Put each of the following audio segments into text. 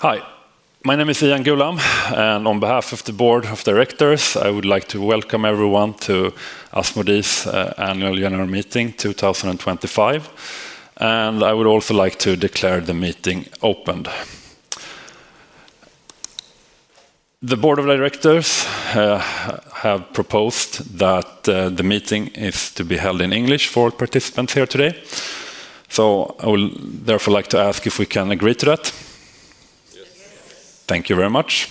Hi, my name is Jan Gulam. On behalf of the Board of Directors, I would like to welcome everyone to Asmodee's annual general meeting 2025. I would also like to declare the meeting opened. The Board of Directors has proposed that the meeting is to be held in English for all participants here today. I would therefore like to ask if we can agree to that. Yes. Thank you very much.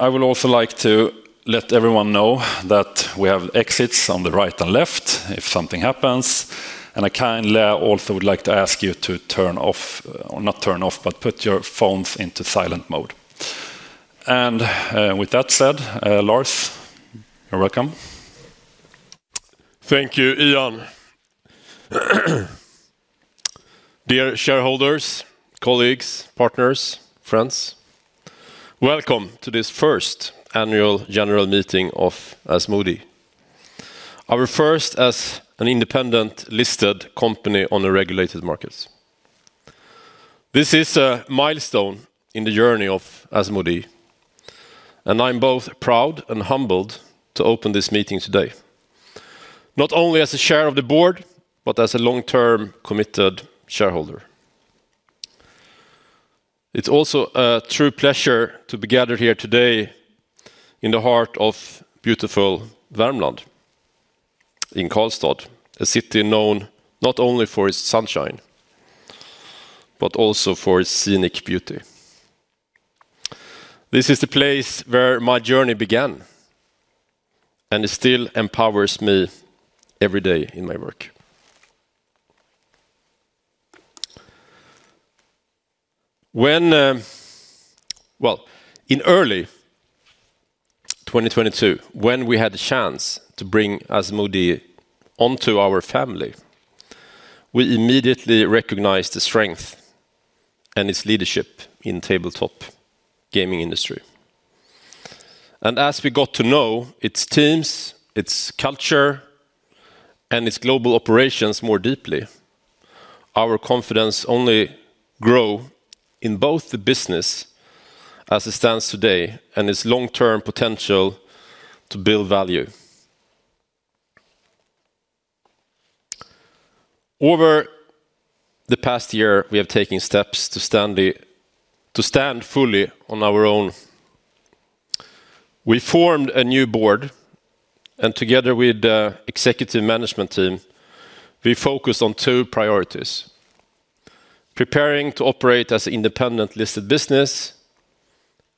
I would also like to let everyone know that we have exits on the right and left if something happens. I kindly would also like to ask you to turn off, or not turn off, but put your phones into silent mode. With that said, Lars, you're welcome. Thank you, Jan. Dear shareholders, colleagues, partners, friends, welcome to this first annual general meeting of Asmodee. I refer to us as an independent listed company on the regulated markets. This is a milestone in the journey of Asmodee. I'm both proud and humbled to open this meeting today, not only as a chair of the board, but as a long-term committed shareholder. It's also a true pleasure to be gathered here today in the heart of beautiful Värmland, in Karlstad, a city known not only for its sunshine, but also for its scenic beauty. This is the place where my journey began and still empowers me every day in my work. In early 2022, when we had the chance to bring Asmodee into our family, we immediately recognized the strength and its leadership in the tabletop gaming industry. As we got to know its teams, its culture, and its global operations more deeply, our confidence only grew in both the business as it stands today and its long-term potential to build value. Over the past year, we have taken steps to stand fully on our own. We formed a new board, and together with the executive management team, we focused on two priorities: preparing to operate as an independent listed business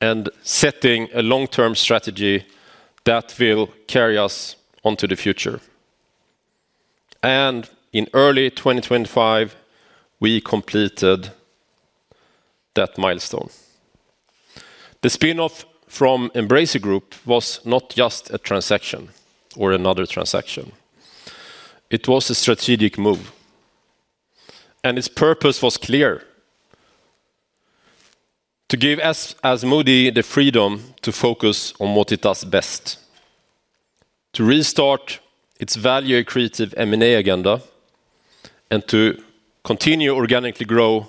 and setting a long-term strategy that will carry us into the future. In early 2025, we completed that milestone. The spin-off from Embracer Group was not just a transaction or another transaction. It was a strategic move. Its purpose was clear: to give Asmodee the freedom to focus on what it does best, to restart its value accretive M&A agenda, and to continue organically growing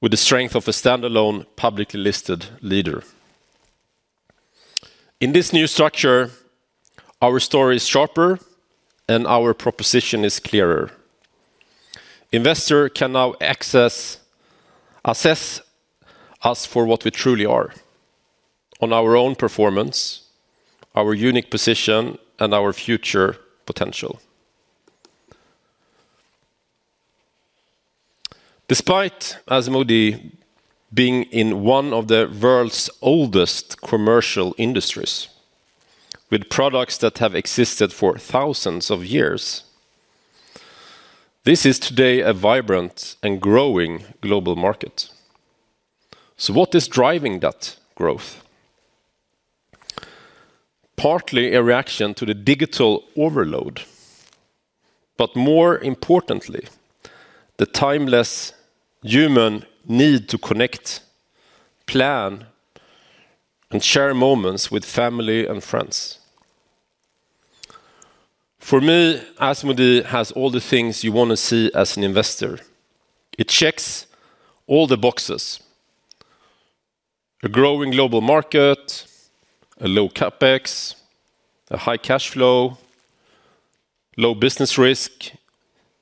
with the strength of a standalone publicly listed leader. In this new structure, our story is sharper and our proposition is clearer. Investors can now assess us for what we truly are: on our own performance, our unique position, and our future potential. Despite Asmodee being in one of the world's oldest commercial industries, with products that have existed for thousands of years, this is today a vibrant and growing global market. What is driving that growth? Partly a reaction to the digital overload, but more importantly, the timeless human need to connect, plan, and share moments with family and friends. For me, Asmodee has all the things you want to see as an investor. It checks all the boxes: a growing global market, a low capex, a high cash flow, low business risk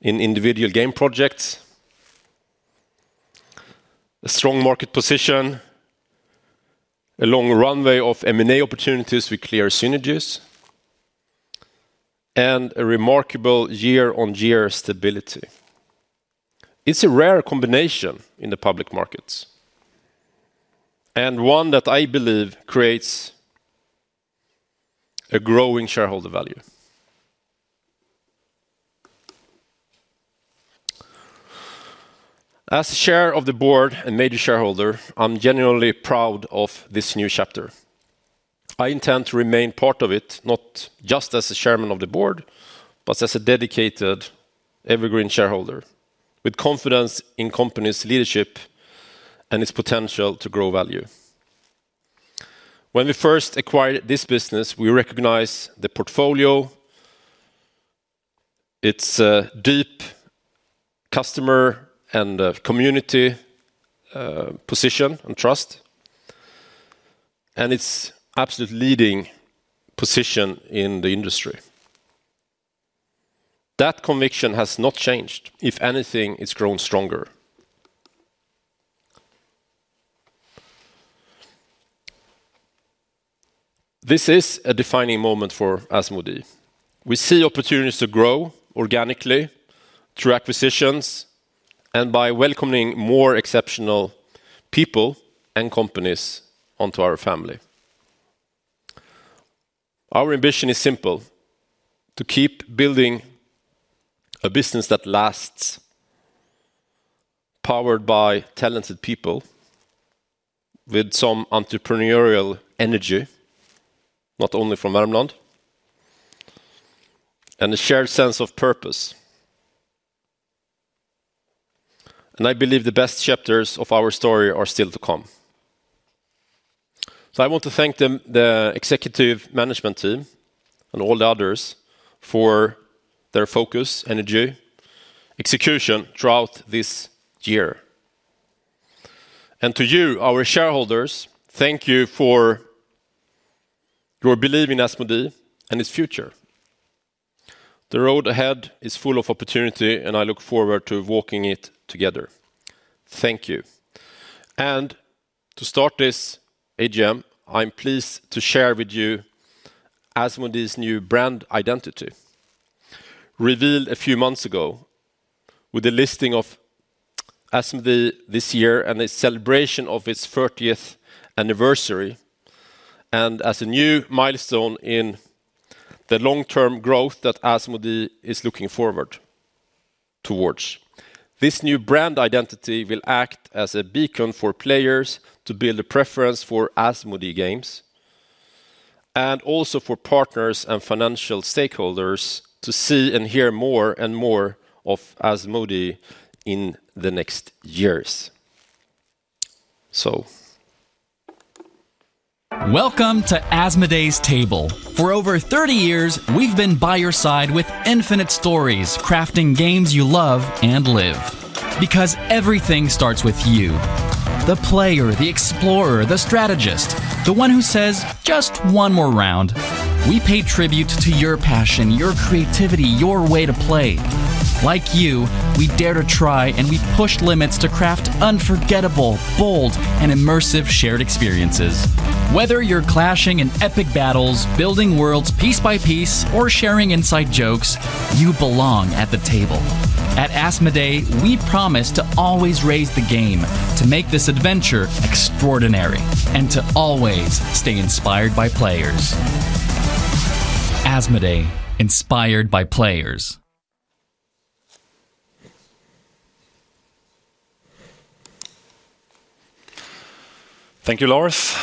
in individual game projects, a strong market position, a long runway of M&A opportunities with clear synergies, and a remarkable year-on-year stability. It's a rare combination in the public markets and one that I believe creates growing shareholder value. As a chair of the board and major shareholder, I'm genuinely proud of this new chapter. I intend to remain part of it, not just as a chairman of the board, but as a dedicated, evergreen shareholder with confidence in the company's leadership and its potential to grow value. When we first acquired this business, we recognized the portfolio, its deep customer and community position and trust, and its absolute leading position in the industry. That conviction has not changed. If anything, it's grown stronger. This is a defining moment for Asmodee. We see opportunities to grow organically through acquisitions and by welcoming more exceptional people and companies into our family. Our ambition is simple: to keep building a business that lasts, powered by talented people with some entrepreneurial energy, not only from Värmland, and a shared sense of purpose. I believe the best chapters of our story are still to come. I want to thank the executive management team and all the others for their focus, energy, and execution throughout this year. To you, our shareholders, thank you for your belief in Asmodee and its future. The road ahead is full of opportunity, and I look forward to walking it together. Thank you. To start this AGM, I'm pleased to share with you Asmodee's new brand identity, revealed a few months ago with a listing of Asmodee this year and a celebration of its 30th anniversary, and as a new milestone in the long-term growth that Asmodee is looking forward towards. This new brand identity will act as a beacon for players to build a preference for Asmodee games and also for partners and financial stakeholders to see and hear more and more of Asmodee in the next years. Welcome to Asmodee's Table. For over 30 years, we've been by your side with infinite stories, crafting games you love and live. Because everything starts with you. The player, the explorer, the strategist, the one who says, "Just one more round." We pay tribute to your passion, your creativity, your way to play. Like you, we dare to try, and we push limits to craft unforgettable, bold, and immersive shared experiences. Whether you're clashing in epic battles, building worlds piece by piece, or sharing inside jokes, you belong at the table. At Asmodee, we promise to always raise the game, to make this adventure extraordinary, and to always stay inspired by players. Asmodee, inspired by players. Thank you, Lars.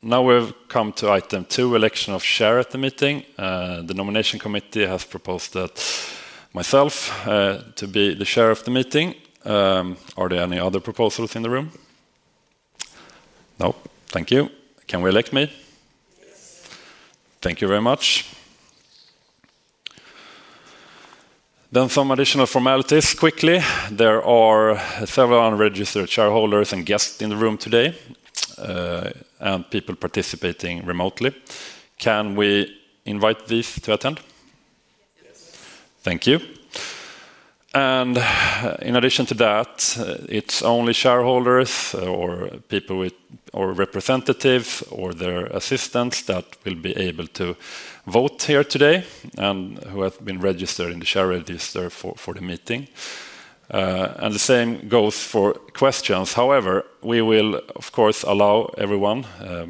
Now we've come to item two, election of chair at the meeting. The nomination committee has proposed that myself be the chair of the meeting. Are there any other proposals in the room? No, thank you. Can we elect me? Thank you very much. Then some additional formalities quickly. There are several unregistered shareholders and guests in the room today, and people participating remotely. Can we invite these to attend? Thank you. In addition to that, it's only shareholders or people with representatives or their assistants that will be able to vote here today and who have been registered in the share register for the meeting. The same goes for questions. However, we will, of course, allow everyone,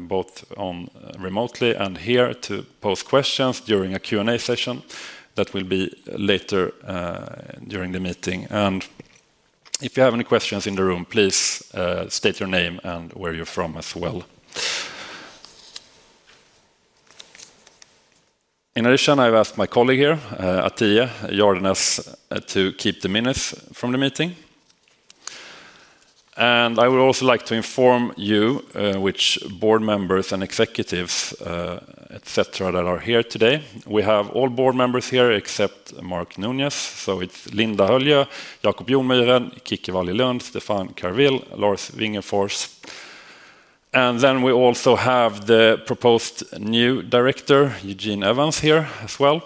both remotely and here, to post questions during a Q&A session that will be later during the meeting. If you have any questions in the room, please state your name and where you're from as well. In addition, I've asked my colleague here, Atilla Jornes, to keep the minutes from the meeting. I would also like to inform you which board members and executives, et cetera, that are here today. We have all board members here except Mark Nunes. So it's Linda Höllö, Jakob Ljungmyrhen, Kicki Valli-Lund, Stefan Kervill, Lars Vingerfors. Then we also have the proposed new director, Eugene Evans, here as well.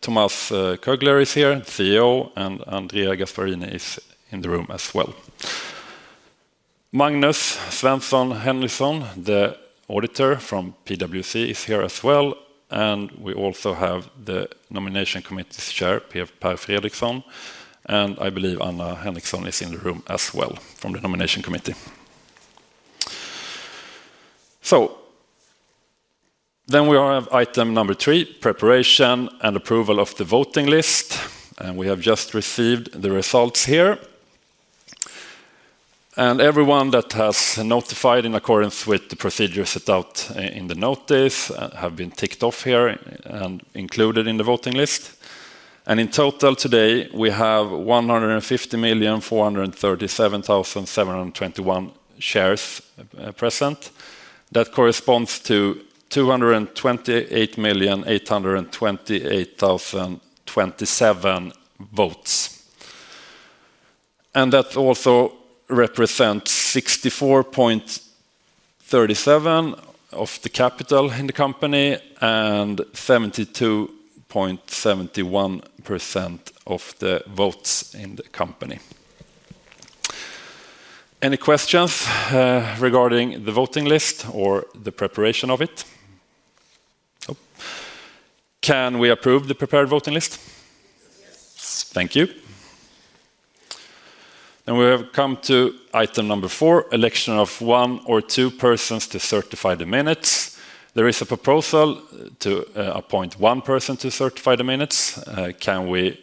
Thomas Kögler is here, CEO, and Andrea Gasparini is in the room as well. Magnus Svensson Henriksson, the auditor from PwC, is here as well. We also have the nomination committee's chair, PF Per Fredriksson, and I believe Anna Henriksson is in the room as well from the nomination committee. So then we have item number three, preparation and approval of the voting list. We have just received the results here. Everyone that has notified in accordance with the procedures set out in the notice have been ticked off here and included in the voting list. In total, today, we have 150,437,721 shares present. That corresponds to 228,828,027 votes. That also represents 64.37% of the capital in the company and 72.71% of the votes in the company. Any questions regarding the voting list or the preparation of it? Can we approve the prepared voting list? Thank you. We have come to item number four, election of one or two persons to certify the minutes. There is a proposal to appoint one person to certify the minutes. Can we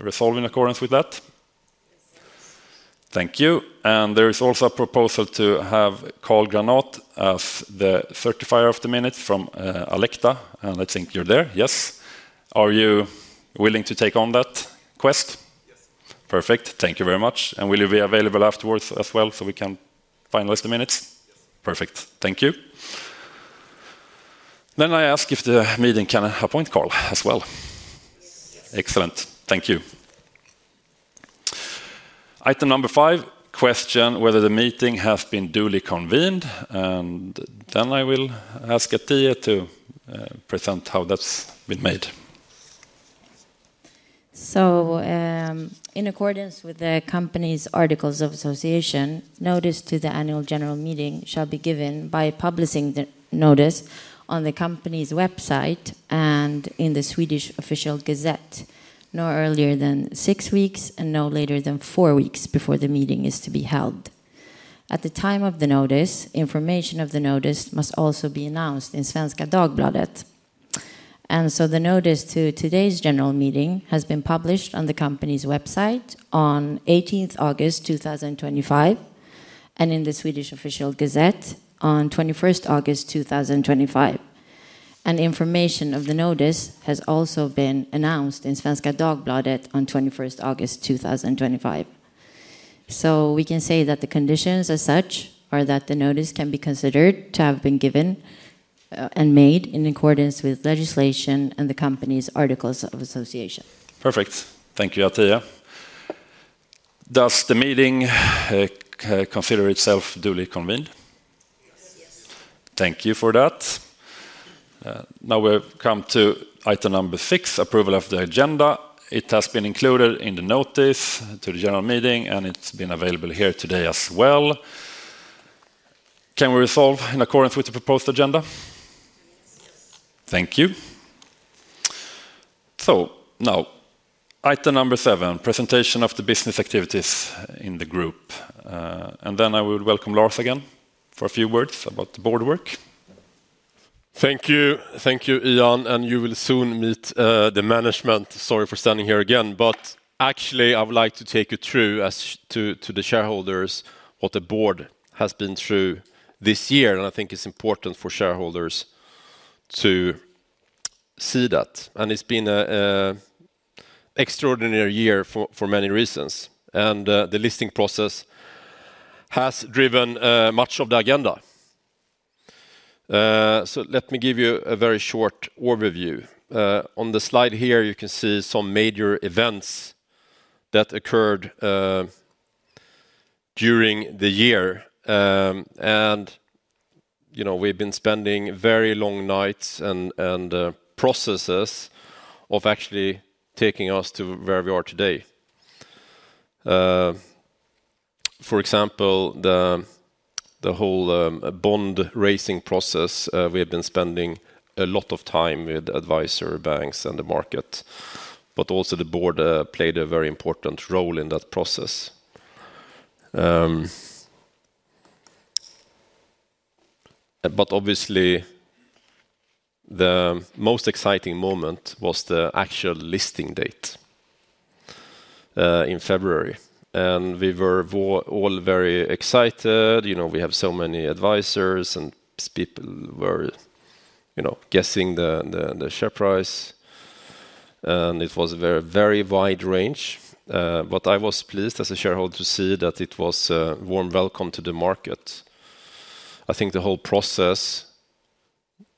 resolve in accordance with that? Thank you. There is also a proposal to have Karl Granåt as the certifier of the minutes from Alekta. I think you're there, yes. Are you willing to take on that quest? Perfect. Thank you very much. Will you be available afterwards as well so we can finalize the minutes? Perfect. Thank you. Then I ask if the meeting can appoint Karl as well. Excellent. Thank you. Item number five, question whether the meeting has been duly convened. Then I will ask Atilla to present how that's been made. In accordance with the company's articles of association, notice to the annual general meeting shall be given by publishing the notice on the company's website and in the Swedish Official Gazette, no earlier than six weeks and no later than four weeks before the meeting is to be held. At the time of the notice, information of the notice must also be announced in Svenska Dagbladet. The notice to today's general meeting has been published on the company's website on 18th August 2025 and in the Swedish Official Gazette on 21st August 2025. Information of the notice has also been announced in Svenska Dagbladet on 21st August 2025. We can say that the conditions are such that the notice can be considered to have been given and made in accordance with legislation and the company's articles of association. Perfect. Thank you, Atilla. Does the meeting consider itself duly convened? Thank you for that. Now we've come to item number six, approval of the agenda. It has been included in the notice to the general meeting, and it's been available here today as well. Can we resolve in accordance with the proposed agenda? Thank you. So now, item number seven, presentation of the business activities in the group. And then I will welcome Lars again for a few words about the board work. Thank you. Thank you, Jan. You will soon meet the management. Sorry for standing here again. Actually, I would like to take you through to the shareholders what the board has been through this year. I think it's important for shareholders to see that. It's been an extraordinary year for many reasons. The listing process has driven much of the agenda. Let me give you a very short overview. On the slide here, you can see some major events that occurred during the year. We've been spending very long nights and processes of actually taking us to where we are today. For example, the whole bond raising process, we've been spending a lot of time with advisor banks and the market, but also the board played a very important role in that process. Obviously, the most exciting moment was the actual listing date in February. We were all very excited. You know, we have so many advisors, and people were guessing the share price. It was a very wide range. I was pleased as a shareholder to see that it was a warm welcome to the market. I think the whole process,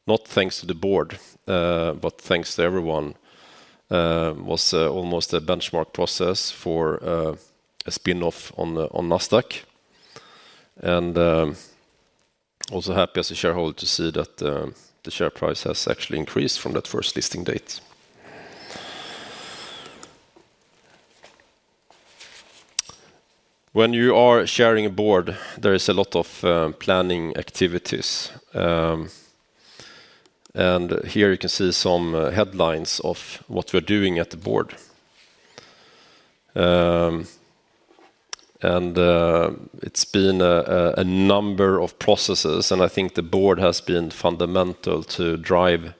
not thanks to the board, but thanks to everyone, was almost a benchmark process for a spin-off on the Nasdaq. I'm also happy as a shareholder to see that the share price has actually increased from that first listing date. When you are chairing a board, there are a lot of planning activities. Here you can see some headlines of what we're doing at the board. It's been a number of processes, and I think the board has been fundamental to drive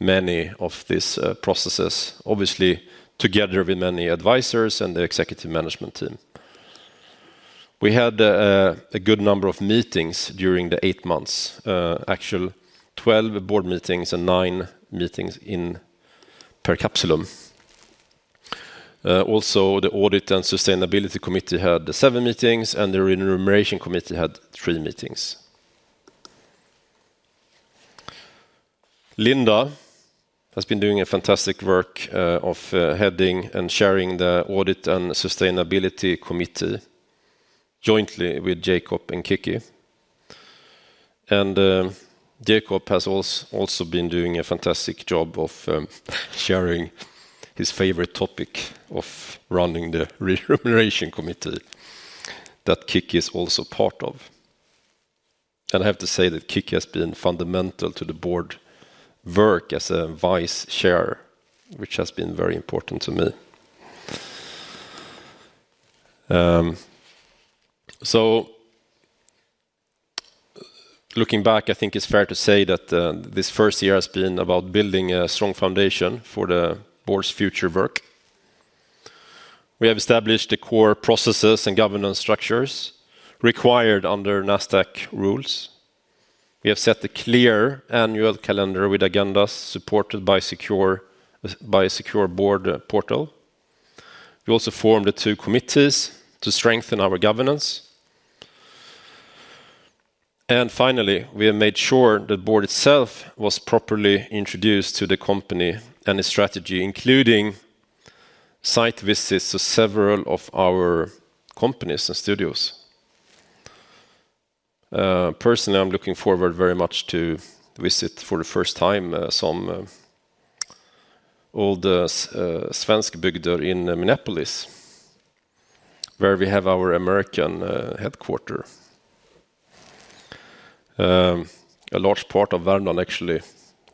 many of these processes, obviously together with many advisors and the executive management team. We had a good number of meetings during the eight months, actually 12 board meetings and nine meetings in per capsulum. Also, the audit and sustainability committee had seven meetings, and the remuneration committee had three meetings. Linda has been doing a fantastic work of heading and chairing the audit and sustainability committee jointly with Jacob and Kicki. Jacob has also been doing a fantastic job of chairing his favorite topic of running the remuneration committee that Kicki is also part of. I have to say that Kicki has been fundamental to the board work as a Vice Chair, which has been very important to me. Looking back, I think it's fair to say that this first year has been about building a strong foundation for the board's future work. We have established the core processes and governance structures required under Nasdaq rules. We have set a clear annual calendar with agendas supported by a secure board portal. We also formed the two committees to strengthen our governance. Finally, we have made sure the board itself was properly introduced to the company and its strategy, including site visits to several of our companies and studios. Personally, I'm looking forward very much to visit for the first time some old svenskbygder in Minneapolis, where we have our American headquarters. A large part of Värmland actually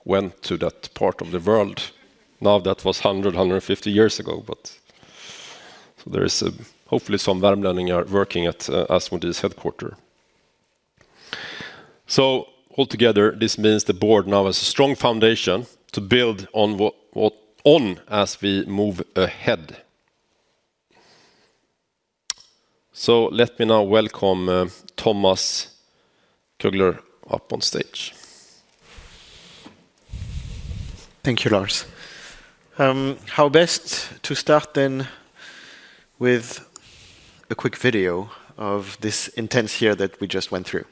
went to that part of the world. That was 100, 150 years ago, but there is hopefully some Värmlänningar working at Asmodee's headquarters. Altogether, this means the board now has a strong foundation to build on as we move ahead. Let me now welcome Thomas Kögler up on stage. Thank you, Lars. How best to start then with a quick video of this intense year that we just went through?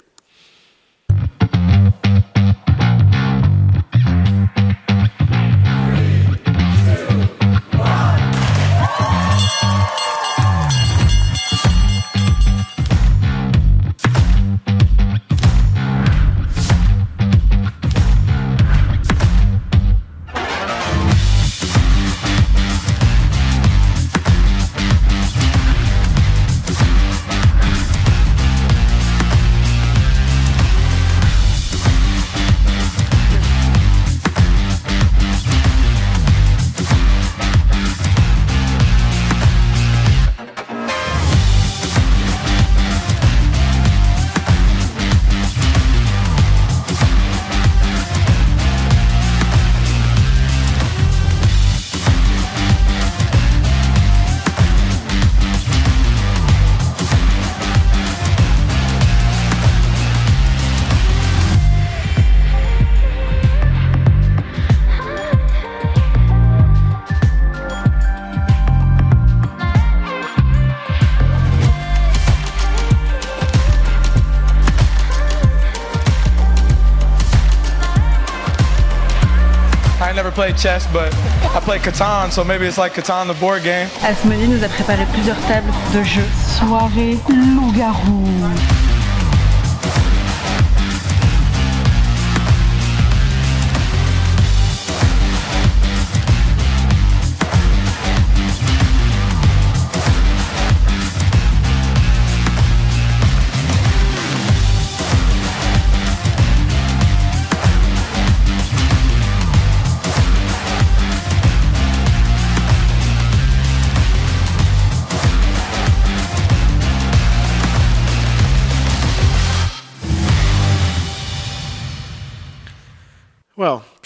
I never play chess, but I play Catan, so maybe it's like Catan the board game. Asmodee nous a préparé plusieurs tables de jeu. Soirée loups-garous! Well,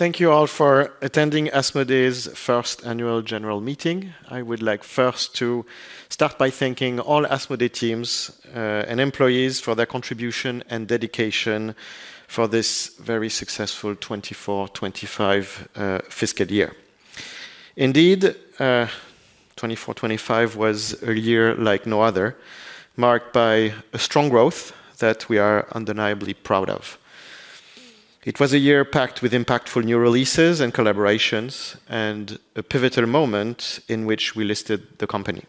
thank you all for attending Asmodee's first annual general meeting. I would like first to start by thanking all Asmodee teams and employees for their contribution and dedication for this very successful 2024-25 fiscal year. Indeed, 2024-25 was a year like no other, marked by a strong growth that we are undeniably proud of. It was a year packed with impactful new releases and collaborations and a pivotal moment in which we listed the company.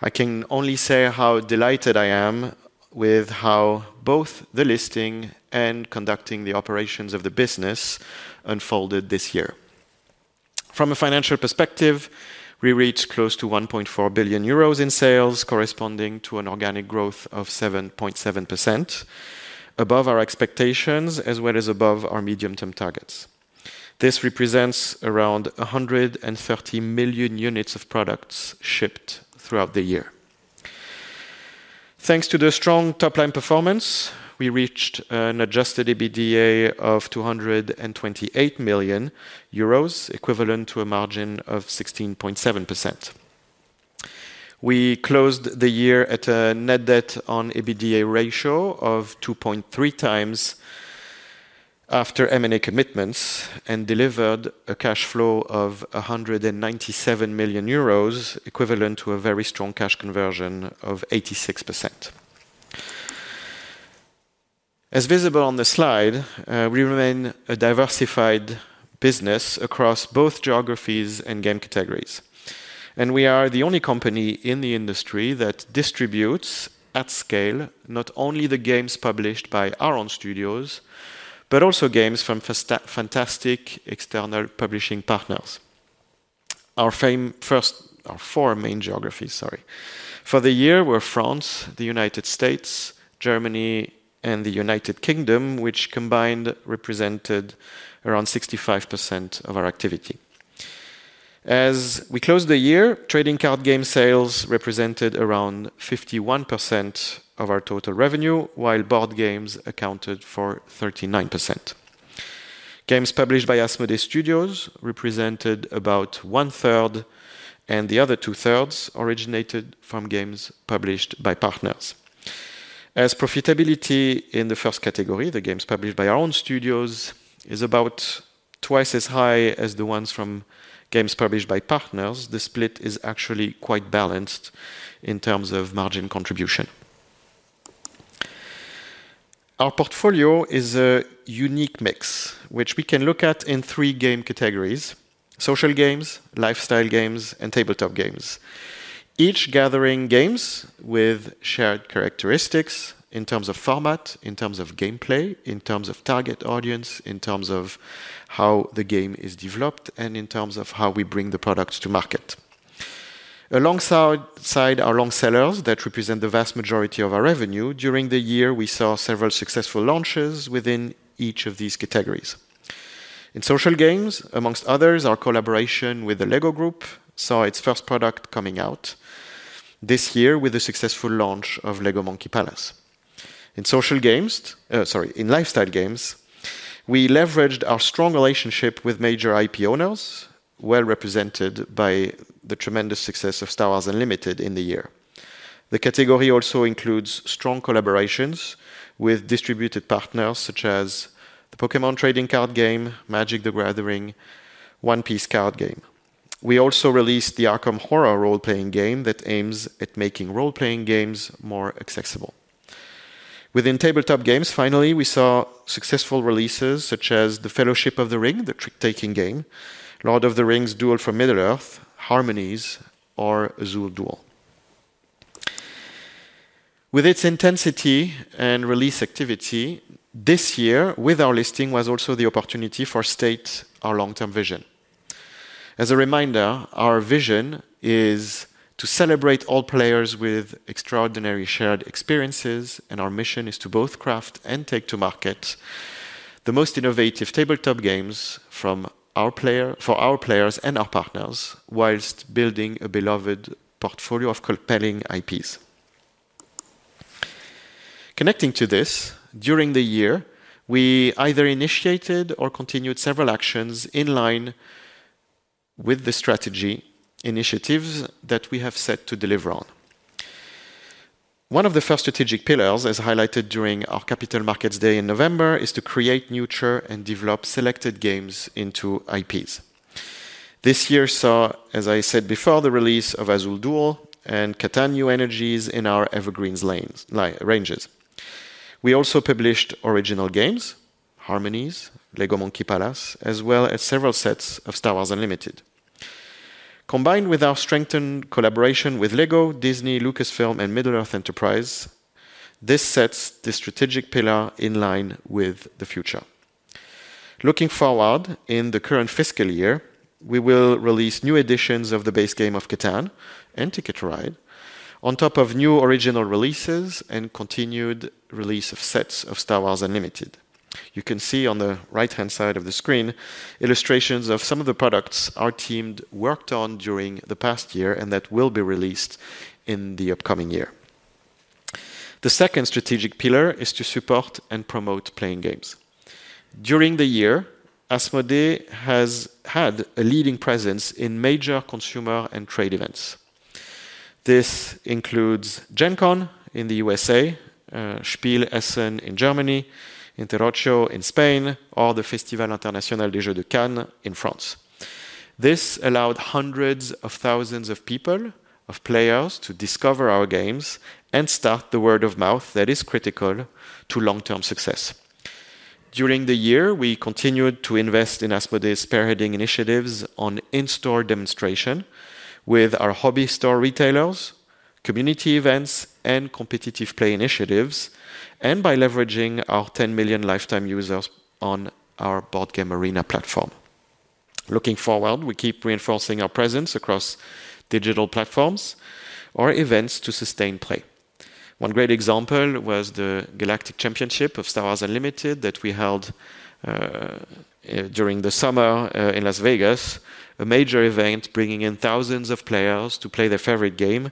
I can only say how delighted I am with how both the listing and conducting the operations of the business unfolded this year. From a financial perspective, we reached close to €1.4 billion in sales, corresponding to an organic growth of 7.7%, above our expectations as well as above our medium-term targets. This represents around 130 million units of products shipped throughout the year. Thanks to the strong top-line performance, we reached an adjusted EBITDA of €228 million, equivalent to a margin of 16.7%. We closed the year at a net debt on EBITDA ratio of 2.3 times after M&A commitments and delivered a cash flow of €197 million, equivalent to a very strong cash conversion of 86%. As visible on the slide, we remain a diversified business across both geographies and game categories. We are the only company in the industry that distributes at scale not only the games published by Asmodee Studios, but also games from fantastic external publishing partners. Our four main geographies for the year were France, the United States, Germany, and the United Kingdom, which combined represented around 65% of our activity. As we closed the year, trading card game sales represented around 51% of our total revenue, while board games accounted for 39%. Games published by Asmodee Studios represented about one third, and the other two thirds originated from games published by partners. As profitability in the first category, the games published by our own studios, is about twice as high as the ones from games published by partners, the split is actually quite balanced in terms of margin contribution. Our portfolio is a unique mix, which we can look at in three game categories: social games, lifestyle games, and tabletop games, each gathering games with shared characteristics in terms of format, in terms of gameplay, in terms of target audience, in terms of how the game is developed, and in terms of how we bring the products to market. Alongside our long sellers that represent the vast majority of our revenue, during the year, we saw several successful launches within each of these categories. In social games, amongst others, our collaboration with the Lego Group saw its first product coming out this year with the successful launch of Lego Monkey Palace. In lifestyle games, we leveraged our strong relationship with major IP owners, well represented by the tremendous success of Star Wars Unlimited in the year. The category also includes strong collaborations with distributed partners such as the Pokémon trading card game, Magic: The Gathering, One Piece card game. We also released the Arkham Horror role-playing game that aims at making role-playing games more accessible. Within tabletop games, finally, we saw successful releases such as The Fellowship of the Ring, the trick-taking game, Lord of the Rings: Duel for Middle-earth, Harmonies, or Azul Duel. With its intensity and release activity this year, with our listing, was also the opportunity to state our long-term vision. As a reminder, our vision is to celebrate all players with extraordinary shared experiences, and our mission is to both craft and take to market the most innovative tabletop games for our players and our partners whilst building a beloved portfolio of compelling IPs. Connecting to this, during the year, we either initiated or continued several actions in line with the strategy initiatives that we have set to deliver on. One of the first strategic pillars, as highlighted during our Capital Markets Day in November, is to create new charts and develop selected games into IPs. This year saw, as I said before, the release of Azul Duel and Catan New Energies in our Evergreens ranges. We also published original games, Harmonies, Lego Monkey Palace, as well as several sets of Star Wars Unlimited. Combined with our strengthened collaboration with Lego, Disney, Lucasfilm, and Middle-earth Enterprise, this sets the strategic pillar in line with the future. Looking forward in the current fiscal year, we will release new editions of the base game of Catan and Ticket to Ride, on top of new original releases and continued release of sets of Star Wars Unlimited. You can see on the right-hand side of the screen illustrations of some of the products our team worked on during the past year and that will be released in the upcoming year. The second strategic pillar is to support and promote playing games. During the year, Asmodee has had a leading presence in major consumer and trade events. This includes Gen Con in the USA, Spiel Essen in Germany, Interrocio in Spain, or the Festival International des Jeux de Cannes in France. This allowed hundreds of thousands of people, of players, to discover our games and start the word of mouth that is critical to long-term success. During the year, we continued to invest in Asmodee's spearheading initiatives on in-store demonstration with our hobby store retailers, community events, and competitive play initiatives, and by leveraging our 10 million lifetime users on our board game arena platform. Looking forward, we keep reinforcing our presence across digital platforms or events to sustain play. One great example was the Galactic Championship of Star Wars Unlimited that we held during the summer in Las Vegas, a major event bringing in thousands of players to play their favorite game.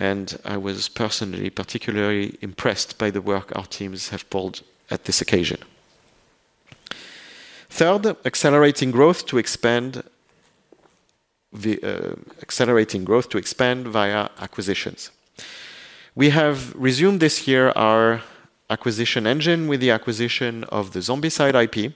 I was personally particularly impressed by the work our teams have pulled at this occasion. Third, accelerating growth to expand via acquisitions. We have resumed this year our acquisition engine with the acquisition of the Zombicide IP.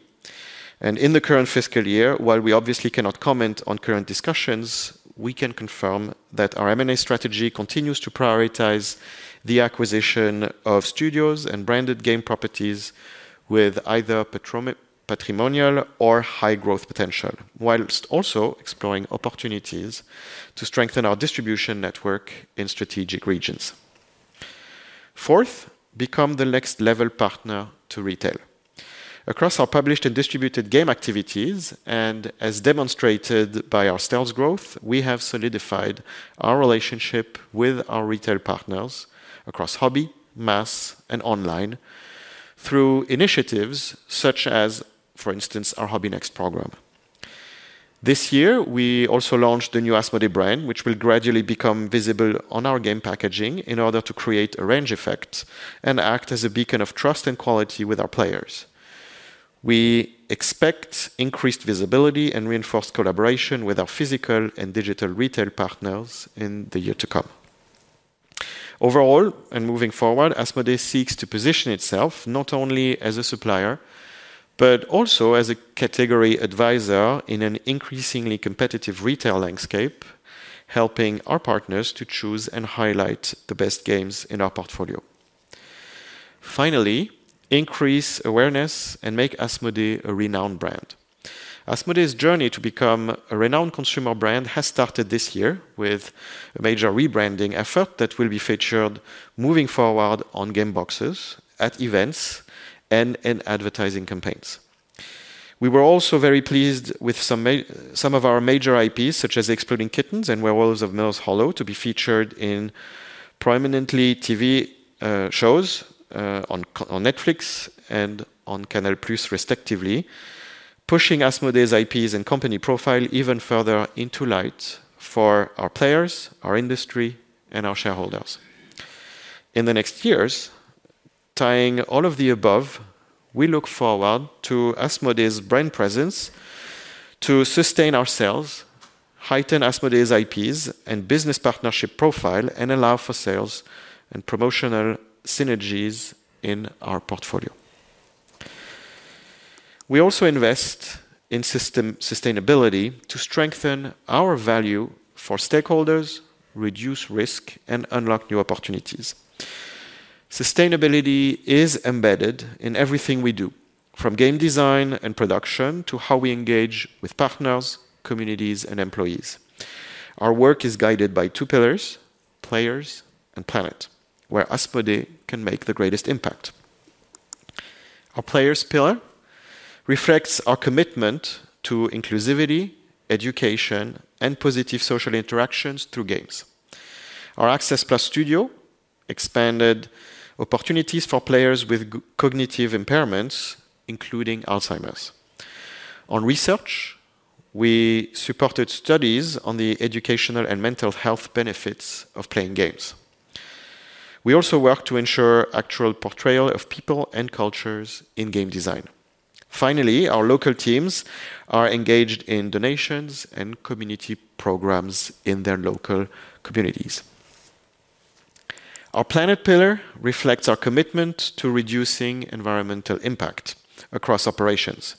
In the current fiscal year, while we obviously cannot comment on current discussions, we can confirm that our M&A strategy continues to prioritize the acquisition of studios and branded game properties with either patrimonial or high growth potential, whilst also exploring opportunities to strengthen our distribution network in strategic regions. Fourth, become the next level partner to retail. Across our published and distributed game activities, and as demonstrated by our sales growth, we have solidified our relationship with our retail partners across hobby, mass, and online through initiatives such as, for instance, our Hobby Next program. This year, we also launched the new Asmodee brand, which will gradually become visible on our game packaging in order to create a range effect and act as a beacon of trust and quality with our players. We expect increased visibility and reinforced collaboration with our physical and digital retail partners in the year to come. Overall, and moving forward, Asmodee seeks to position itself not only as a supplier, but also as a category advisor in an increasingly competitive retail landscape, helping our partners to choose and highlight the best games in our portfolio. Finally, increase awareness and make Asmodee a renowned brand. Asmodee's journey to become a renowned consumer brand has started this year with a major rebranding effort that will be featured moving forward on game boxes, at events, and in advertising campaigns. We were also very pleased with some of our major IPs, such as Exploding Kittens and Werewolves of Miller's Hollow, to be featured in prominently TV shows on Netflix and on Canal Plus, respectively, pushing Asmodee's IPs and company profile even further into light for our players, our industry, and our shareholders. In the next years, tying all of the above, we look forward to Asmodee's brand presence to sustain our sales, heighten Asmodee's IPs and business partnership profile, and allow for sales and promotional synergies in our portfolio. We also invest in sustainability to strengthen our value for stakeholders, reduce risk, and unlock new opportunities. Sustainability is embedded in everything we do, from game design and production to how we engage with partners, communities, and employees. Our work is guided by two pillars: players and planet, where Asmodee can make the greatest impact. Our players' pillar reflects our commitment to inclusivity, education, and positive social interactions through games. Our Access Plus studio expanded opportunities for players with cognitive impairments, including Alzheimer's. On research, we supported studies on the educational and mental health benefits of playing games. We also work to ensure actual portrayal of people and cultures in game design. Finally, our local teams are engaged in donations and community programs in their local communities. Our planet pillar reflects our commitment to reducing environmental impact across operations.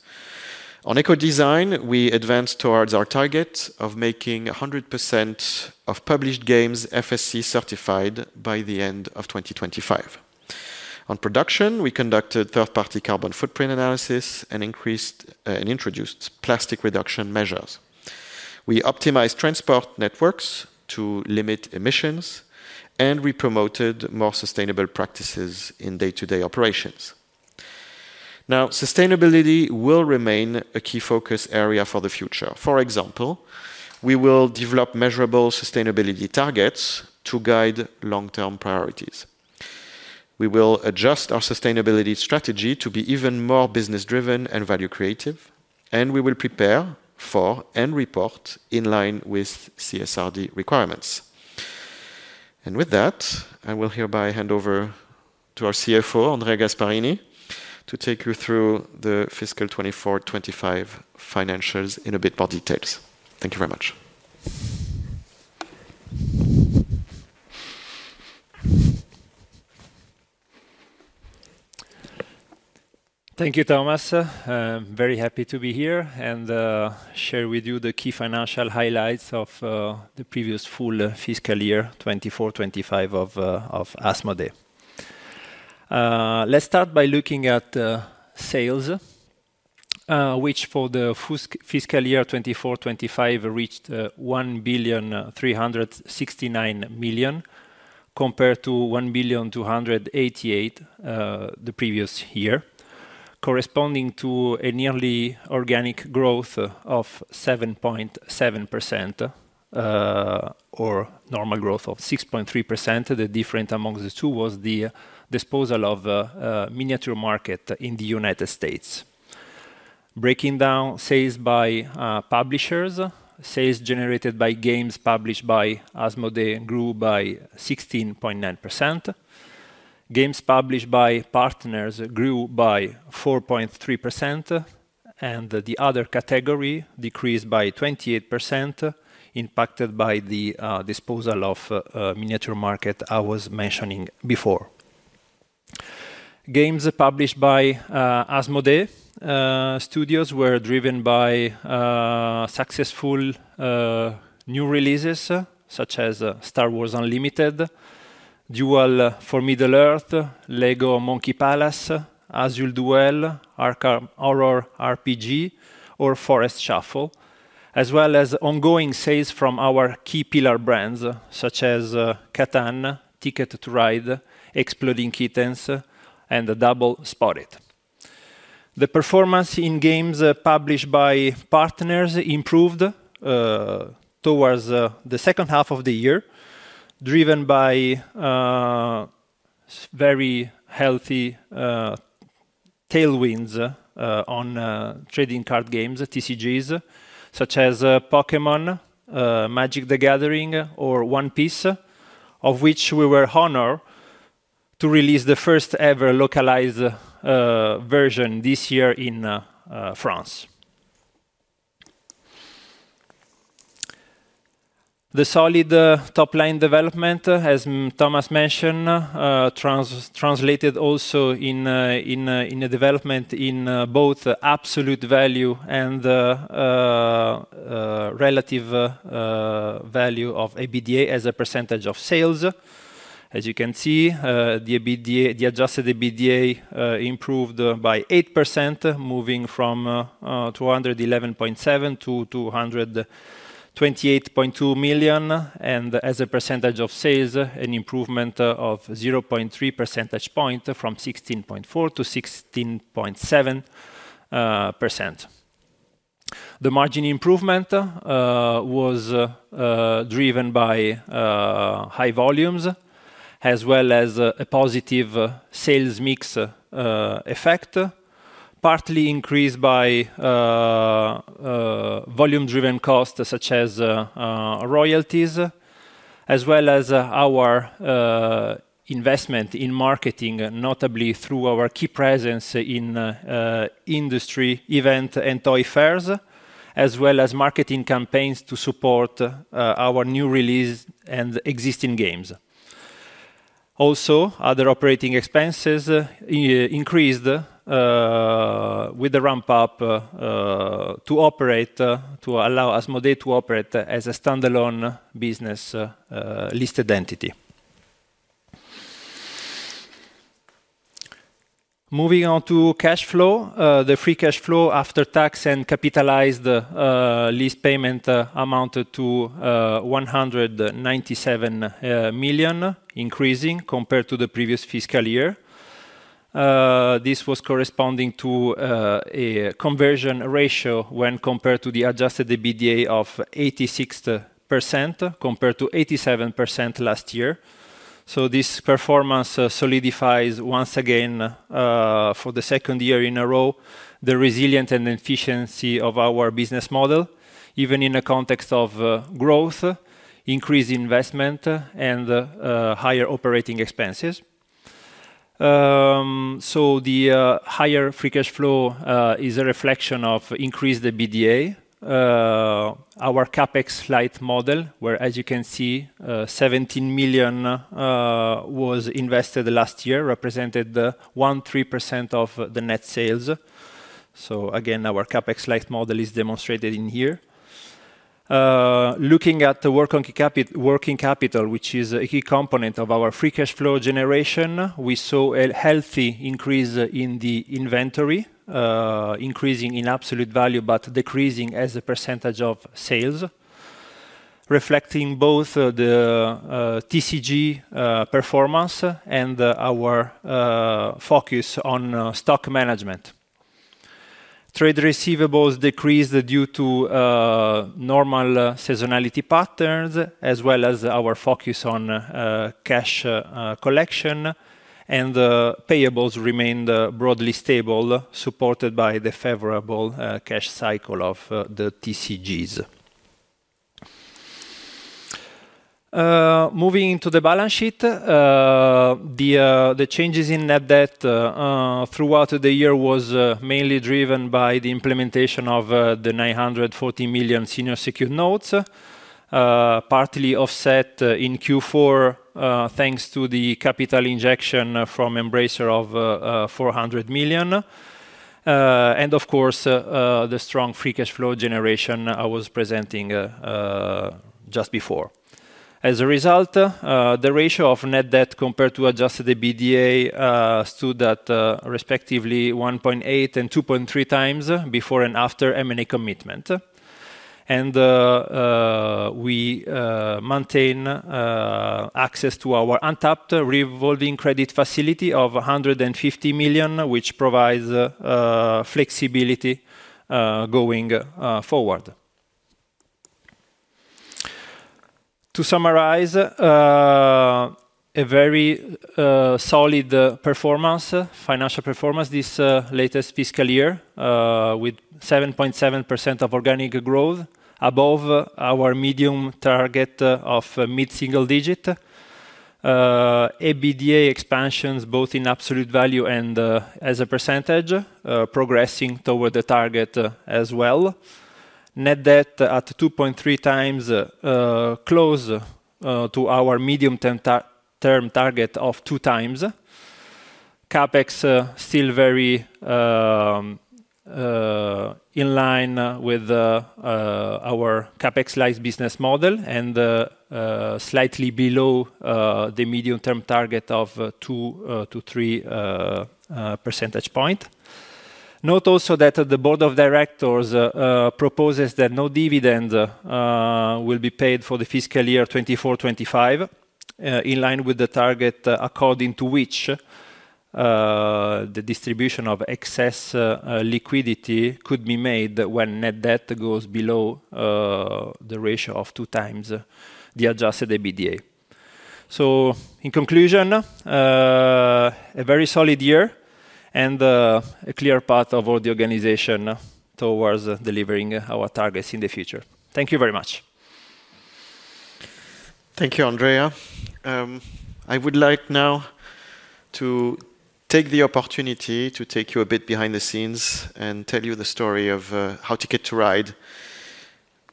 On eco-design, we advance towards our target of making 100% of published games FSC certified by the end of 2025. On production, we conducted third-party carbon footprint analysis and introduced plastic reduction measures. We optimized transport networks to limit emissions, and we promoted more sustainable practices in day-to-day operations. Now, sustainability will remain a key focus area for the future. For example, we will develop measurable sustainability targets to guide long-term priorities. We will adjust our sustainability strategy to be even more business-driven and value-creative, and we will prepare for and report in line with CSRD requirements. With that, I will hereby hand over to our CFO, Andrea Gasparini, to take you through the fiscal 24-25 financials in a bit more details. Thank you very much. Thank you, Thomas. I'm very happy to be here and share with you the key financial highlights of the previous full fiscal year 2024-25 of Asmodee. Let's start by looking at sales, which for the fiscal year 2024-25 reached $1,369 million compared to $1,288 million the previous year, corresponding to a nearly organic growth of 7.7% or normal growth of 6.3%. The difference among the two was the disposal of a miniature market in the United States. Breaking down sales by publishers, sales generated by games published by Asmodee grew by 16.9%. Games published by partners grew by 4.3%, and the other category decreased by 28%, impacted by the disposal of a miniature market I was mentioning before. Games published by Asmodee Studios were driven by successful new releases such as Star Wars Unlimited, Duel for Middle-earth, Lego Monkey Palace, Azul Duel, Arkham Horror RPG, or Forest Shuffle, as well as ongoing sales from our key pillar brands such as Catan, Ticket to Ride, Exploding Kittens, and Double Spotted. The performance in games published by partners improved towards the second half of the year, driven by very healthy tailwinds on trading card games, TCGs, such as Pokémon, Magic: The Gathering, or One Piece, of which we were honored to release the first-ever localized version this year in France. The solid top-line development, as Thomas mentioned, translated also in a development in both absolute value and relative value of EBITDA as a percentage of sales. As you can see, the adjusted EBITDA improved by 8%, moving from $211.7 million to $228.2 million, and as a percentage of sales, an improvement of 0.3 percentage point from 16.4% to 16.7%. The margin improvement was driven by high volumes, as well as a positive sales mix effect, partly increased by volume-driven costs such as royalties, as well as our investment in marketing, notably through our key presence in industry events and toy fairs, as well as marketing campaigns to support our new release and existing games. Other operating expenses increased with the ramp-up to allow Asmodee to operate as a standalone business listed entity. Moving on to cash flow, the free cash flow after tax and capitalized lease payment amounted to $197 million, increasing compared to the previous fiscal year. This was corresponding to a conversion ratio when compared to the adjusted EBITDA of 86% compared to 87% last year. This performance solidifies once again, for the second year in a row, the resilience and efficiency of our business model, even in the context of growth, increased investment, and higher operating expenses. The higher free cash flow is a reflection of increased EBITDA. Our CapEx light model, where, as you can see, $17 million was invested last year, represented the 1.3% of the net sales. Again, our CapEx light model is demonstrated in here. Looking at the working capital, which is a key component of our free cash flow generation, we saw a healthy increase in the inventory, increasing in absolute value but decreasing as a percentage of sales, reflecting both the TCG performance and our focus on stock management. Trade receivables decreased due to normal seasonality patterns, as well as our focus on cash collection, and payables remained broadly stable, supported by the favorable cash cycle of the TCGs. Moving into the balance sheet, the changes in net debt throughout the year were mainly driven by the implementation of the $940 million senior secured notes, partly offset in Q4 thanks to the capital injection from Embracer of $400 million, and of course, the strong free cash flow generation I was presenting just before. As a result, the ratio of net debt compared to adjusted EBITDA stood at respectively 1.8 and 2.3 times before and after M&A commitment. We maintain access to our untapped revolving credit facility of $150 million, which provides flexibility going forward. To summarize, a very solid financial performance this latest fiscal year, with 7.7% of organic growth, above our medium target of mid-single digit. EBITDA expansions both in absolute value and as a percentage are progressing toward the target as well. Net debt at 2.3 times close to our medium-term target of two times. CapEx is still very in line with our CapEx light business model and slightly below the medium-term target of 2% to 3%. Note that the board of directors proposes that no dividend will be paid for the fiscal year 2024-25, in line with the target according to which the distribution of excess liquidity could be made when net debt goes below the ratio of two times the adjusted EBITDA. In conclusion, a very solid year and a clear path of all the organization towards delivering our targets in the future. Thank you very much. Thank you, Andrea. I would like now to take the opportunity to take you a bit behind the scenes and tell you the story of how Ticket to Ride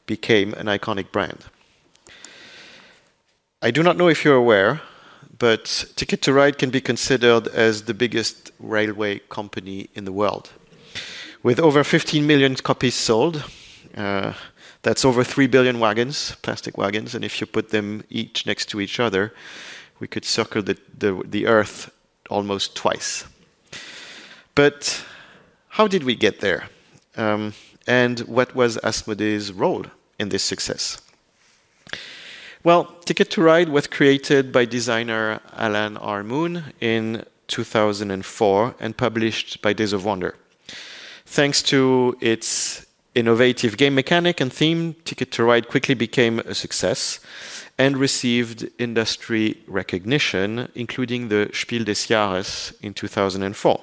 became an iconic brand. I do not know if you're aware, but Ticket to Ride can be considered as the biggest railway company in the world, with over 15 million copies sold. That's over 3 billion wagons, plastic wagons. If you put them each next to each other, we could circle the Earth almost twice. But how did we get there? What was Asmodee's role in this success? Ticket to Ride was created by designer Alan Moon in 2004 and published by Days of Wonder. Thanks to its innovative game mechanic and theme, Ticket to Ride quickly became a success and received industry recognition, including the Spiel des Jahres in 2004.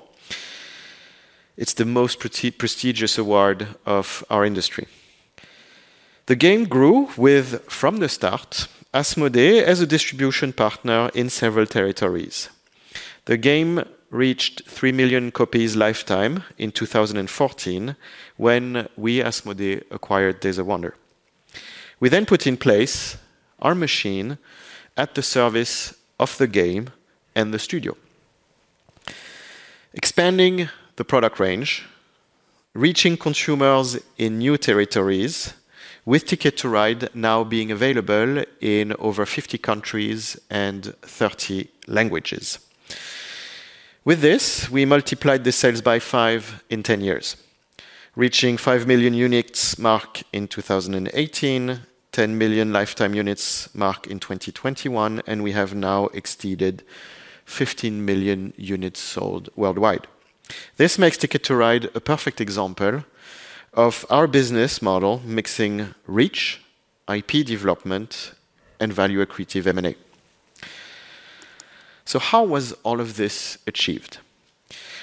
It's the most prestigious award of our industry. The game grew from the start, Asmodee as a distribution partner in several territories. The game reached 3 million copies lifetime in 2014 when we, Asmodee, acquired Days of Wonder. We then put in place our machine at the service of the game and the studio, expanding the product range, reaching consumers in new territories, with Ticket to Ride now being available in over 50 countries and 30 languages. With this, we multiplied the sales by five in 10 years, reaching 5 million units mark in 2018, 10 million lifetime units mark in 2021, and we have now exceeded 15 million units sold worldwide. This makes Ticket to Ride a perfect example of our business model mixing reach, IP development, and value-accretive M&A. How was all of this achieved?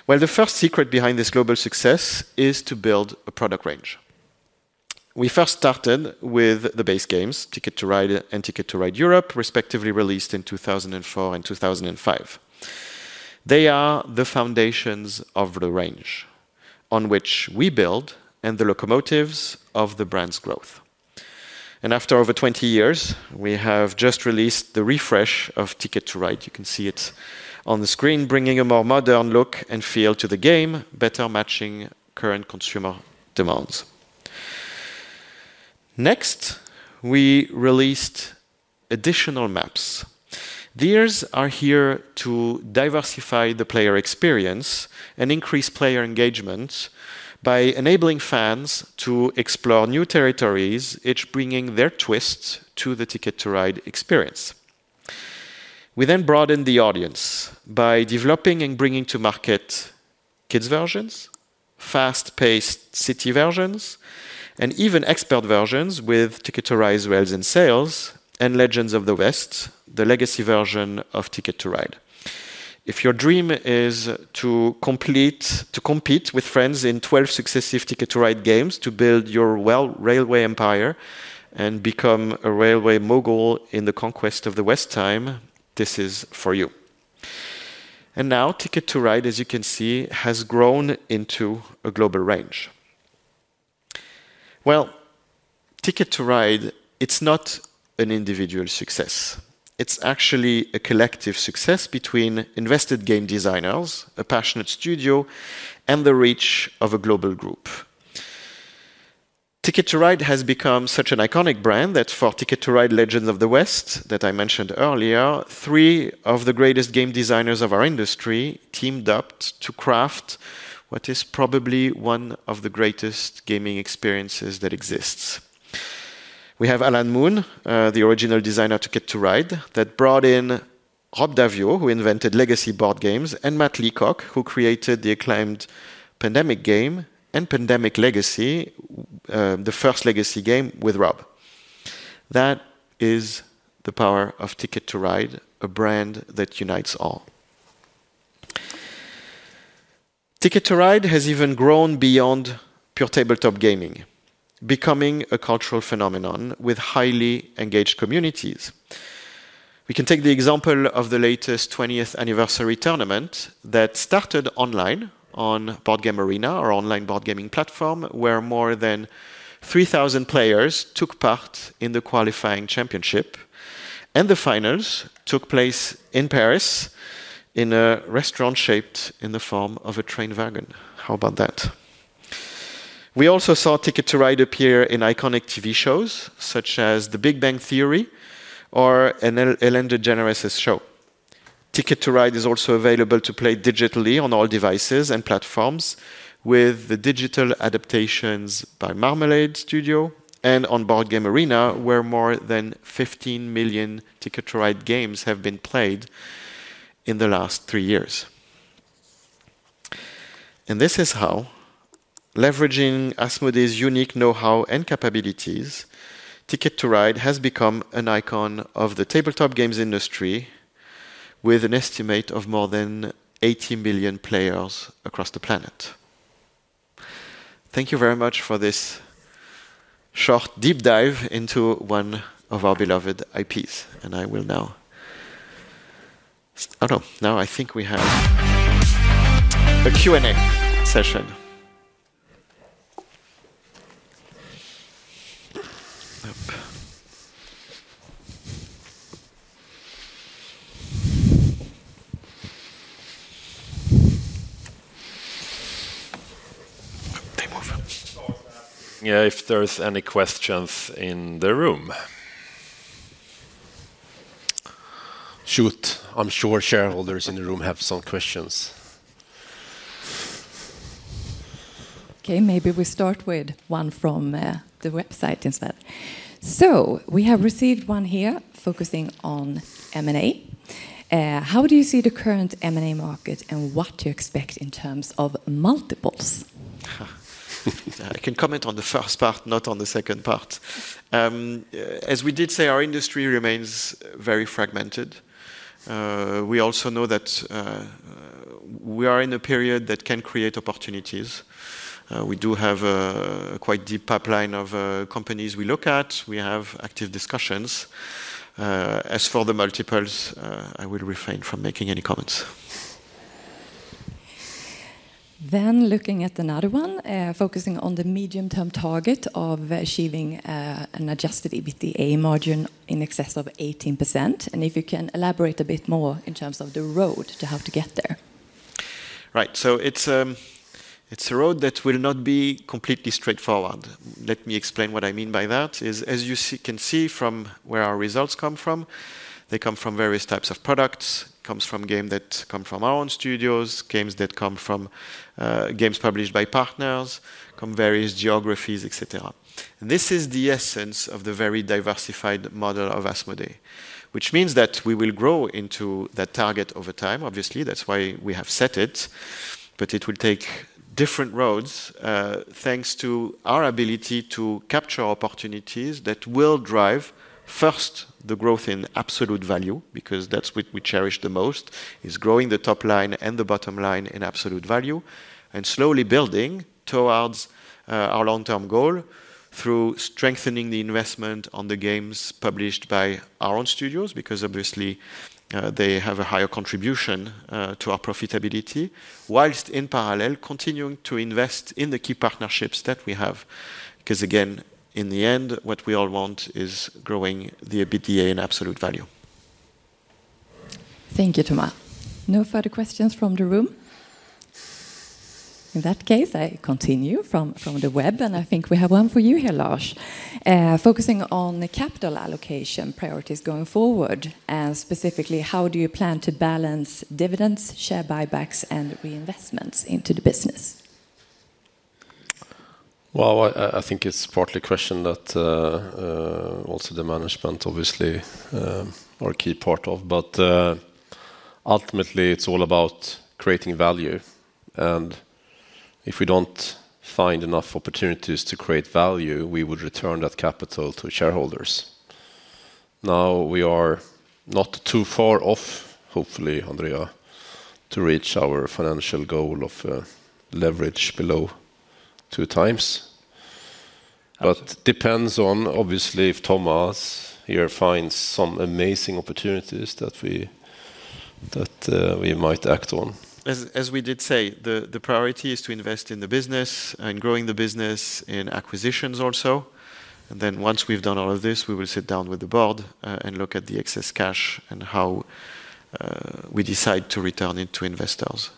The first secret behind this global success is to build a product range. We first started with the base games, Ticket to Ride and Ticket to Ride Europe, respectively released in 2004 and 2005. They are the foundations of the range on which we build and the locomotives of the brand's growth. After over 20 years, we have just released the refresh of Ticket to Ride. You can see it on the screen, bringing a more modern look and feel to the game, better matching current consumer demands. Next, we released additional maps. These are here to diversify the player experience and increase player engagement by enabling fans to explore new territories, each bringing their twist to the Ticket to Ride experience. We then broadened the audience by developing and bringing to market kids' versions, fast-paced city versions, and even expert versions with Ticket to Ride Rails and Sails and Legends of the West, the legacy version of Ticket to Ride. If your dream is to compete with friends in 12 successive Ticket to Ride games to build your railway empire and become a railway mogul in the conquest of the West, this is for you. Now Ticket to Ride, as you can see, has grown into a global range. Ticket to Ride, it's not an individual success. It's actually a collective success between invested game designers, a passionate studio, and the reach of a global group. Ticket to Ride has become such an iconic brand that for Ticket to Ride Legends of the West that I mentioned earlier, three of the greatest game designers of our industry teamed up to craft what is probably one of the greatest gaming experiences that exists. We have Alan Moon, the original designer of Ticket to Ride, that brought in Rob Daviau, who invented legacy board games, and Matt Leacock, who created the acclaimed Pandemic game and Pandemic Legacy, the first legacy game with Rob. That is the power of Ticket to Ride, a brand that unites all. Ticket to Ride has even grown beyond pure tabletop gaming, becoming a cultural phenomenon with highly engaged communities. We can take the example of the latest 20th anniversary tournament that started online on Board Game Arena, our online board gaming platform, where more than 3,000 players took part in the qualifying championship, and the finals took place in Paris in a restaurant shaped in the form of a train wagon. How about that? We also saw Ticket to Ride appear in iconic TV shows such as The Big Bang Theory or Ellen DeGeneres' show. Ticket to Ride is also available to play digitally on all devices and platforms, with the digital adaptations by Marmalade Studio and on Board Game Arena, where more than 15 million Ticket to Ride games have been played in the last three years. This is how, leveraging Asmodee's unique know-how and capabilities, Ticket to Ride has become an icon of the tabletop games industry, with an estimate of more than 80 million players across the planet. Thank you very much for this short deep dive into one of our beloved IPs. I will now... Now I think we have a Q&A session. Yeah, if there are any questions in the room. Shoot, I'm sure shareholders in the room have some questions. Okay, maybe we start with one from the website instead. So we have received one here focusing on M&A. How do you see the current M&A market and what do you expect in terms of multiples? I can comment on the first part, not on the second part. As we did say, our industry remains very fragmented. We also know that we are in a period that can create opportunities. We do have a quite deep pipeline of companies we look at. We have active discussions. As for the multiples, I will refrain from making any comments. Looking at another one, focusing on the medium-term target of achieving an adjusted EBITDA margin in excess of 18%. And if you can elaborate a bit more in terms of the road to how to get there. Right, so it's a road that will not be completely straightforward. Let me explain what I mean by that. As you can see from where our results come from, they come from various types of products. It comes from games that come from our own studios, games that come from games published by partners, from various geographies, etc. This is the essence of the very diversified model of Asmodee, which means that we will grow into that target over time. Obviously, that's why we have set it. But it will take different roads, thanks to our ability to capture opportunities that will drive, first, the growth in absolute value, because that's what we cherish the most, is growing the top line and the bottom line in absolute value, and slowly building towards our long-term goal through strengthening the investment on the games published by our own studios, because obviously they have a higher contribution to our profitability, whilst in parallel continuing to invest in the key partnerships that we have. Because again, in the end, what we all want is growing the EBITDA in absolute value. Thank you, Thomas. No further questions from the room? In that case, I continue from the web, and I think we have one for you here, Lars. Focusing on the capital allocation priorities going forward, and specifically, how do you plan to balance dividends, share buybacks, and reinvestments into the business? I think it's partly a question that also the management, obviously, are a key part of. But ultimately, it's all about creating value. And if we don't find enough opportunities to create value, we would return that capital to shareholders. Now, we are not too far off, hopefully, Andrea, to reach our financial goal of leverage below two times. But it depends on, obviously, if Thomas, you find some amazing opportunities that we might act on. As we did say, the priority is to invest in the business and growing the business in acquisitions also. And then once we've done all of this, we will sit down with the board and look at the excess cash and how we decide to return it to investors.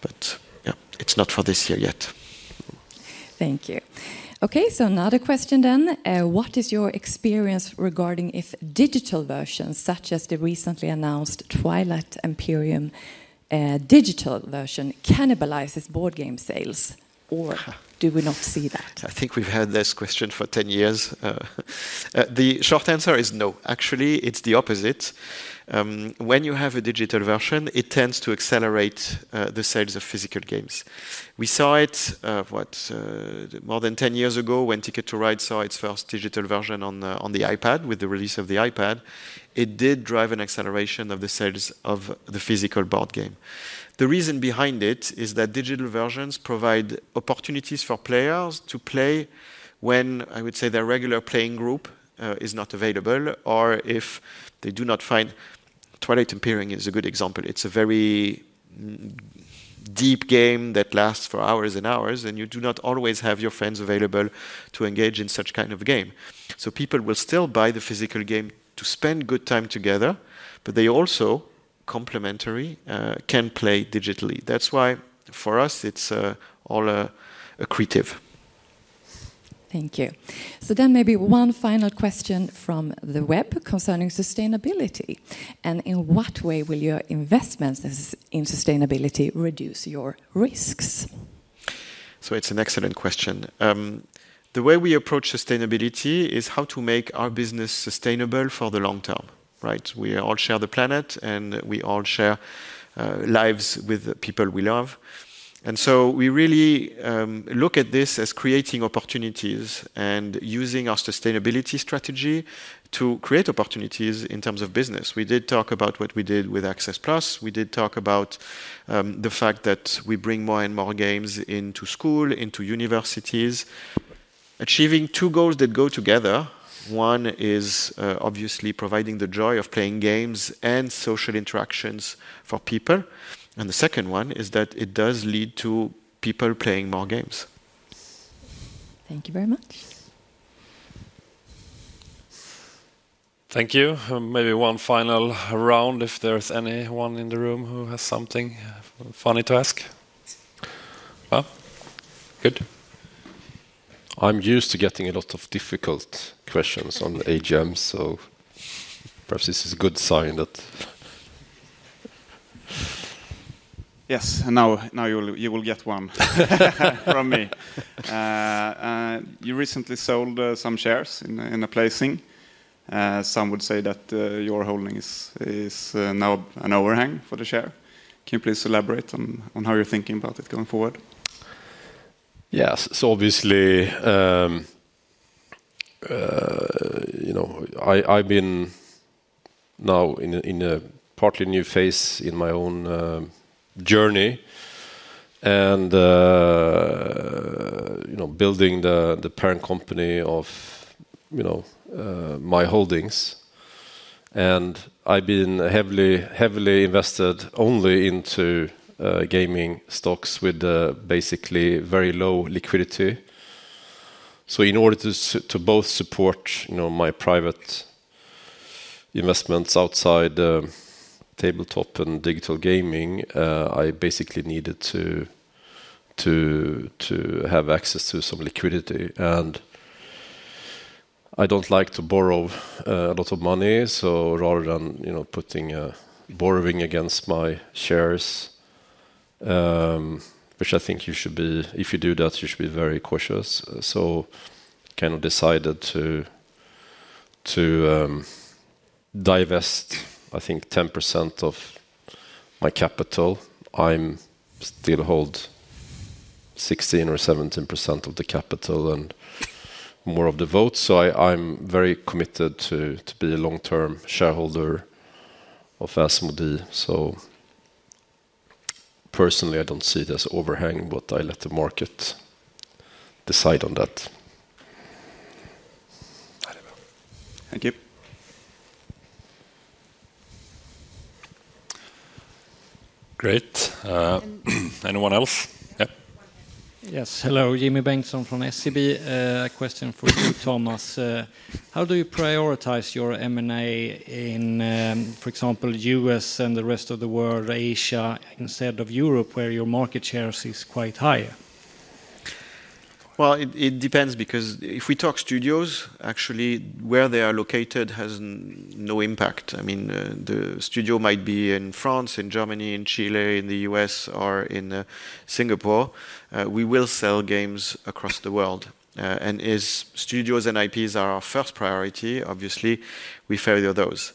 But yeah, it's not for this year yet. Thank you. Okay, so another question then. What is your experience regarding if digital versions, such as the recently announced Twilight Empyrean digital version, cannibalize board game sales? Or do we not see that? I think we've had this question for 10 years. The short answer is no. Actually, it's the opposite. When you have a digital version, it tends to accelerate the sales of physical games. We saw it more than 10 years ago when Ticket to Ride saw its first digital version on the iPad with the release of the iPad. It did drive an acceleration of the sales of the physical board game. The reason behind it is that digital versions provide opportunities for players to play when I would say their regular playing group is not available or if they do not find... Twilight Imperium is a good example. It's a very deep game that lasts for hours and hours, and you do not always have your friends available to engage in such a kind of game. People will still buy the physical game to spend good time together, but they also, complementary, can play digitally. That's why for us, it's all accretive. Thank you. Maybe one final question from the web concerning sustainability. In what way will your investments in sustainability reduce your risks? It's an excellent question. The way we approach sustainability is how to make our business sustainable for the long term. We all share the planet, and we all share lives with people we love. We really look at this as creating opportunities and using our sustainability strategy to create opportunities in terms of business. We did talk about what we did with Access Plus. We did talk about the fact that we bring more and more games into school, into universities, achieving two goals that go together. One is obviously providing the joy of playing games and social interactions for people. The second one is that it does lead to people playing more games. Thank you very much. Thank you. Maybe one final round if there's anyone in the room who has something funny to ask. Good. I'm used to getting a lot of difficult questions on AGM, so perhaps this is a good sign that... Yes, and now you will get one from me. You recently sold some shares in a placing. Some would say that your holding is now an overhang for the share. Can you please elaborate on how you're thinking about it going forward? Yes, so obviously, you know, I've been now in a partly new phase in my own journey and building the parent company of my holdings. I've been heavily invested only into gaming stocks with basically very low liquidity. So in order to both support my private investments outside tabletop and digital gaming, I basically needed to have access to some liquidity. I don't like to borrow a lot of money, so rather than putting borrowing against my shares, which I think you should be, if you do that, you should be very cautious. So I decided to divest, I think, 10% of my capital. I still hold 16% or 17% of the capital and more of the vote. So I'm very committed to be a long-term shareholder of Asmodee. Personally, I don't see it as an overhang, but I let the market decide on that. Thank you. Great. Anyone else? Yeah. Yes, hello, Jimmy Bengtsson from SCB. A question for you, Thomas. How do you prioritize your M&A in, for example, the U.S. and the rest of the world, Asia, instead of Europe, where your market shares are quite high? Well, it depends because if we talk studios, actually, where they are located has no impact. I mean, the studio might be in France, in Germany, in Chile, in the US, or in Singapore. We will sell games across the world. And as studios and IPs are our first priority, obviously, we further those.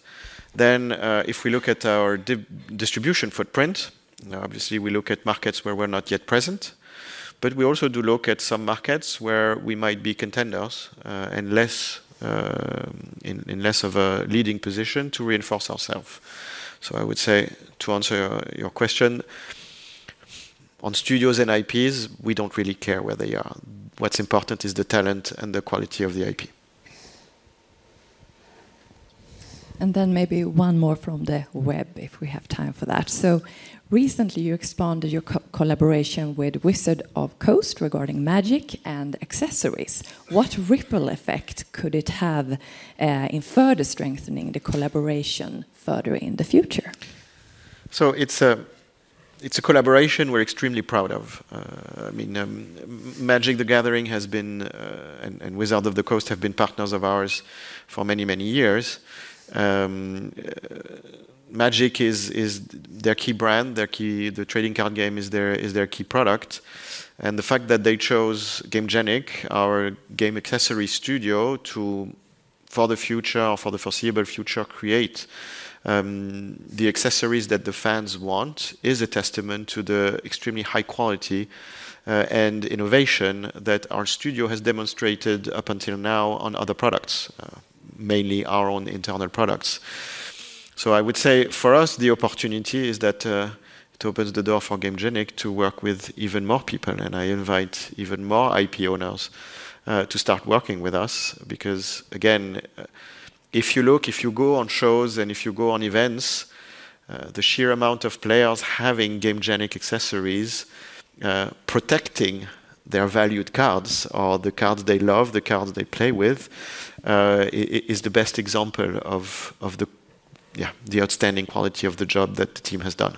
Then if we look at our distribution footprint, obviously, we look at markets where we're not yet present. But we also do look at some markets where we might be contenders in less of a leading position to reinforce ourselves. So I would say, to answer your question, on studios and IPs, we don't really care where they are. What's important is the talent and the quality of the IP. Maybe one more from the web, if we have time for that. Recently, you expanded your collaboration with Wizards of the Coast regarding Magic and accessories. What ripple effect could it have in further strengthening the collaboration in the future? It's a collaboration we're extremely proud of. I mean, Magic: The Gathering has been, and Wizard of the Coast have been partners of ours for many, many years. Magic is their key brand. The trading card game is their key product. The fact that they chose GameGenic, our game accessory studio, for the future or for the foreseeable future, create the accessories that the fans want is a testament to the extremely high quality and innovation that our studio has demonstrated up until now on other products, mainly our own internal products. I would say for us, the opportunity is that it opens the door for GameGenic to work with even more people. I invite even more IP owners to start working with us because, again, if you look, if you go on shows and if you go on events, the sheer amount of players having GameGenic accessories protecting their valued cards or the cards they love, the cards they play with, is the best example of the outstanding quality of the job that the team has done.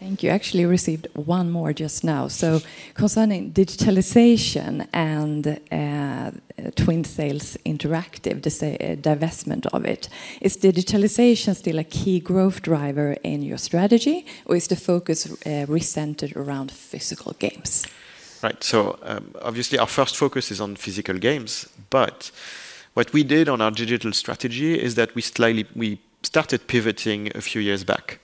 Thank you. Actually, I received one more just now. So concerning digitalization and Twin Sails Interactive, the divestment of it, is digitalization still a key growth driver in your strategy, or is the focus recentered around physical games? Right. Obviously, our first focus is on physical games, but what we did on our digital strategy is that we started pivoting a few years back,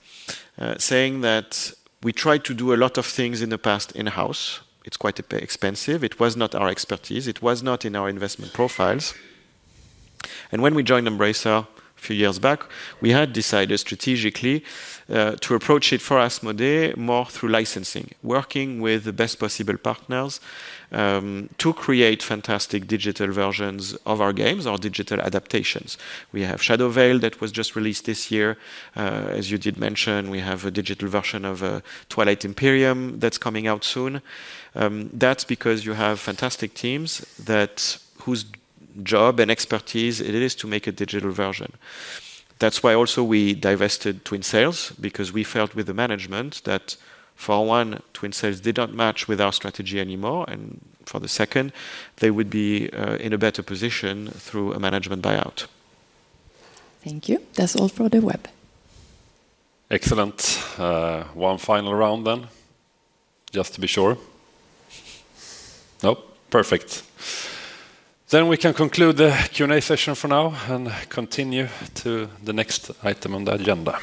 saying that we tried to do a lot of things in the past in-house. It's quite expensive. It was not our expertise. It was not in our investment profiles. When we joined Embracer a few years back, we had decided strategically to approach it for Asmodee more through licensing, working with the best possible partners to create fantastic digital versions of our games or digital adaptations. We have Shadow Veil that was just released this year. As you did mention, we have a digital version of Twilight Imperium that's coming out soon. That's because you have fantastic teams whose job and expertise it is to make a digital version. That's why also we divested Twin Sales, because we felt with the management that for one, Twin Sales did not match with our strategy anymore, and for the second, they would be in a better position through a management buyout. Thank you. That's all for the web. Excellent. One final round then, just to be sure. Nope, perfect. Then we can conclude the Q&A session for now and continue to the next item on the agenda.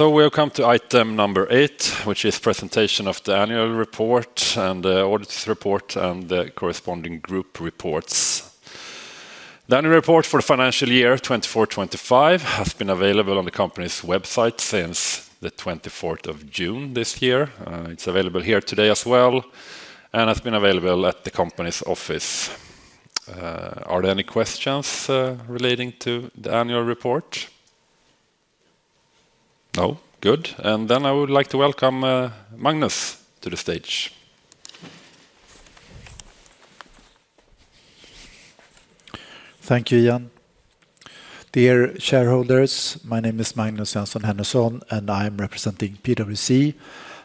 We're coming to Item number eight, which is the presentation of the annual report and the audit report and the corresponding group reports. The annual report for the financial year 2024-2025 has been available on the company's website since the 24th of June this year. It's available here today as well and has been available at the company's office. Are there any questions relating to the annual report? No? Good. I would like to welcome Magnus to the stage. Thank you, Jan. Dear shareholders, my name is Magnus Jönsson-Hännesson and I am representing PwC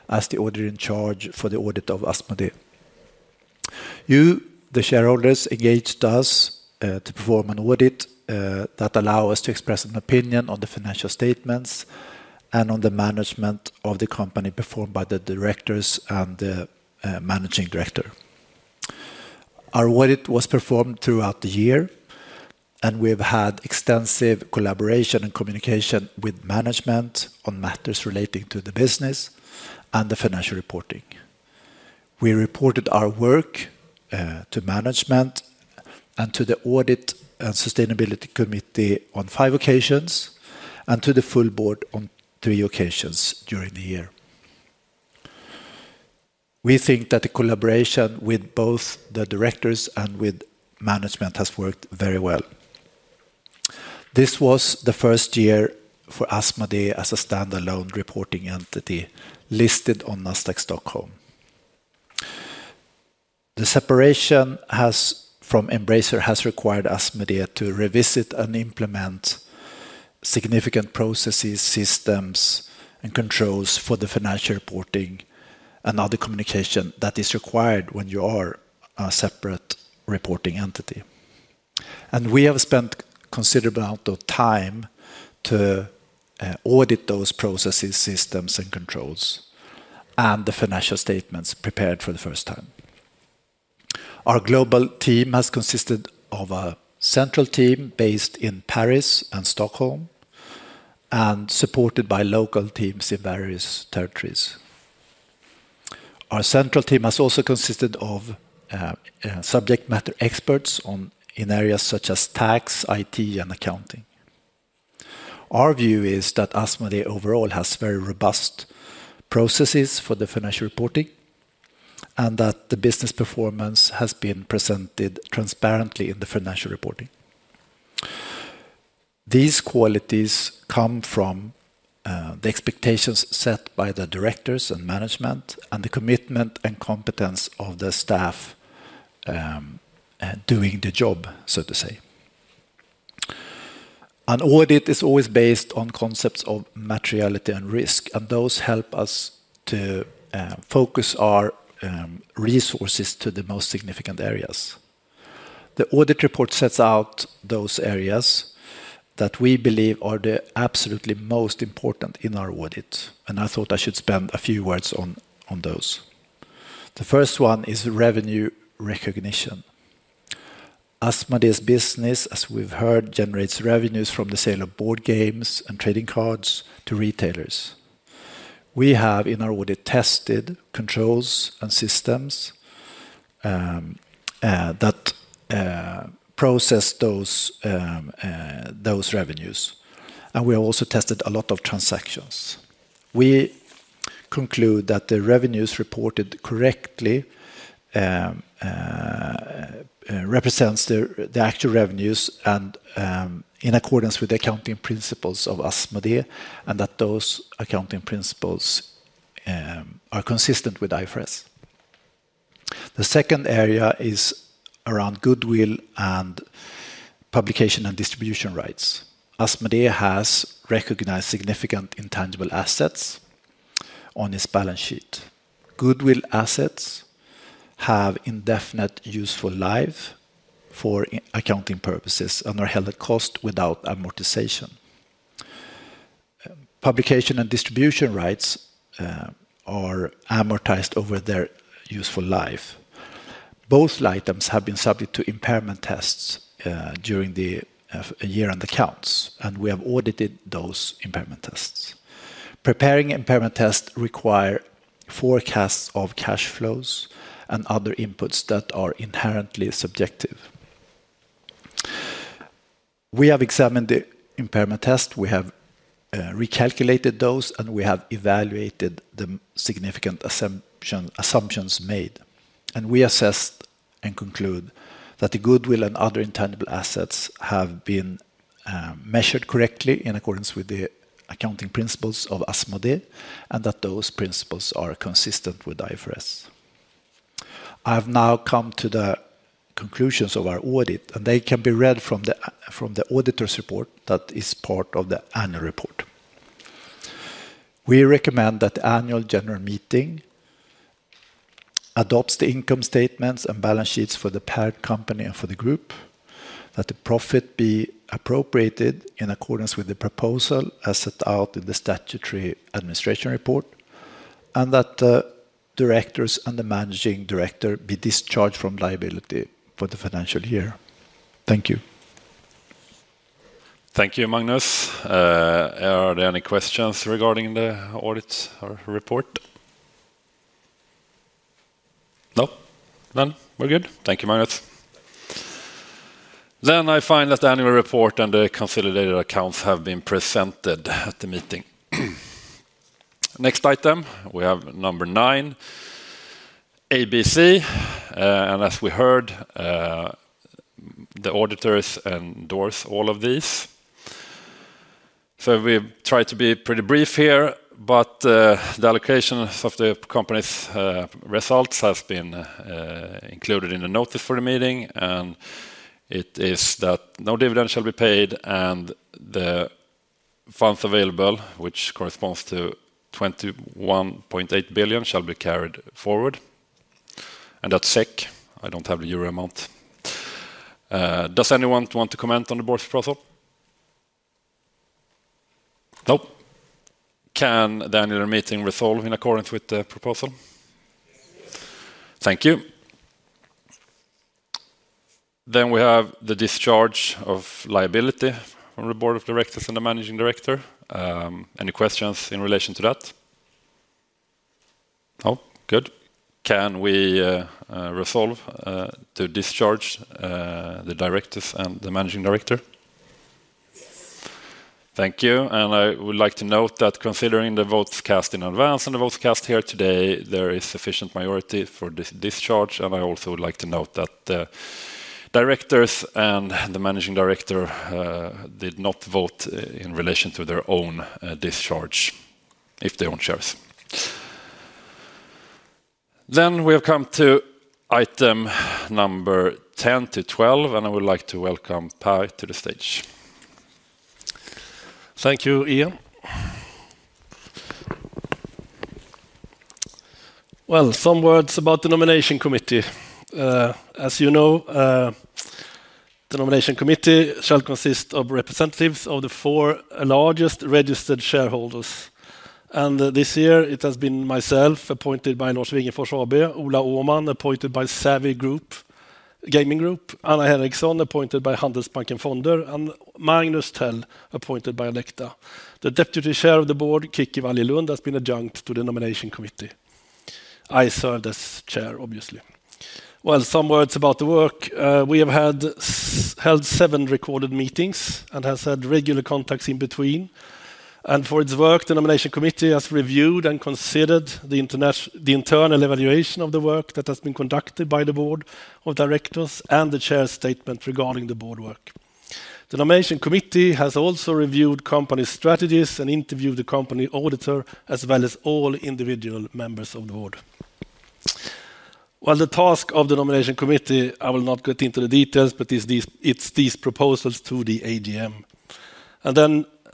as the auditor in charge for the audit of Asmodee. You, the shareholders, engaged us to perform an audit that allows us to express an opinion on the financial statements and on the management of the company performed by the directors and the managing director. Our audit was performed throughout the year, and we have had extensive collaboration and communication with management on matters relating to the business and the financial reporting. We reported our work to management and to the audit and sustainability committee on five occasions and to the full board on three occasions during the year. We think that the collaboration with both the directors and with management has worked very well. This was the first year for Asmodee as a standalone reporting entity listed on Nasdaq Stockholm. The separation from Embracer has required Asmodee to revisit and implement significant processes, systems, and controls for the financial reporting and other communication that is required when you are a separate reporting entity. We have spent a considerable amount of time to audit those processes, systems, and controls, and the financial statements prepared for the first time. Our global team has consisted of a central team based in Paris and Stockholm, and supported by local teams in various territories. Our central team has also consisted of subject matter experts in areas such as tax, IT, and accounting. Our view is that Asmodee overall has very robust processes for the financial reporting and that the business performance has been presented transparently in the financial reporting. These qualities come from the expectations set by the directors and management and the commitment and competence of the staff doing the job. An audit is always based on concepts of materiality and risk, and those help us to focus our resources to the most significant areas. The audit report sets out those areas that we believe are the absolutely most important in our audit, and I thought I should spend a few words on those. The first one is revenue recognition. Asmodee's business, as we've heard, generates revenues from the sale of board games and trading cards to retailers. We have, in our audit, tested controls and systems that process those revenues, and we also tested a lot of transactions. We conclude that the revenues reported correctly represent the actual revenues and in accordance with the accounting principles of Asmodee, and that those accounting principles are consistent with IFRS. The second area is around goodwill and publication and distribution rights. Asmodee has recognized significant intangible assets on its balance sheet. Goodwill assets have indefinite useful life for accounting purposes and are held at cost without amortization. Publication and distribution rights are amortized over their useful life. Both items have been subject to impairment tests during the year-end accounts, and we have audited those impairment tests. Preparing impairment tests require forecasts of cash flows and other inputs that are inherently subjective. We have examined the impairment tests, we have recalculated those, and we have evaluated the significant assumptions made. We assessed and concluded that the goodwill and other intangible assets have been measured correctly in accordance with the accounting principles of Asmodee, and that those principles are consistent with IFRS. I have now come to the conclusions of our audit, and they can be read from the auditor's report that is part of the annual report. We recommend that the annual general meeting adopts the income statements and balance sheets for the parent company and for the group, that the profit be appropriated in accordance with the proposal as set out in the statutory administration report, and that the directors and the managing director be discharged from liability for the financial year. Thank you. Thank you, Magnus. Are there any questions regarding the audit or report? No? Then we're good. Thank you, Magnus. I find that the annual report and the consolidated accounts have been presented at the meeting. Next item, we have number nine, ABC. As we heard, the auditors endorse all of these. We try to be pretty brief here, but the allocation of the company's results has been included in the notice for the meeting, and it is that no dividend shall be paid and the funds available, which corresponds to $21.8 billion, shall be carried forward. That's SEC. I don't have the euro amount. Does anyone want to comment on the board's proposal? Nope. Can the annual meeting resolve in accordance with the proposal? Thank you. We have the discharge of liability on the board of directors and the managing director. Any questions in relation to that? No, good. Can we resolve to discharge the directors and the managing director? Thank you. I would like to note that considering the votes cast in advance and the votes cast here today, there is sufficient majority for this discharge. I also would like to note that the directors and the managing director did not vote in relation to their own discharge if they own shares. We'll come to item number 10 to 12, and I would like to welcome Pai to the stage. Thank you, Ian. Some words about the nomination committee. As you know, the nomination committee shall consist of representatives of the four largest registered shareholders. This year, it has been myself, appointed by Norsvinge Forsaby, Ola Åman, appointed by Savi Group, Gaming Group, Anna Henriksson, appointed by Handelsbanken Fonder, and Magnus Tell, appointed by Elekta. The deputy chair of the board, Kicki Wallilund, has been adjunct to the nomination committee. I serve as chair, obviously. Some words about the work. We have held seven recorded meetings and have had regular contacts in between. For its work, the nomination committee has reviewed and considered the internal evaluation of the work that has been conducted by the board of directors and the chair's statement regarding the board work. The nomination committee has also reviewed company strategies and interviewed the company auditor as well as all individual members of the board. The task of the nomination committee, I will not get into the details, but it's these proposals to the AGM.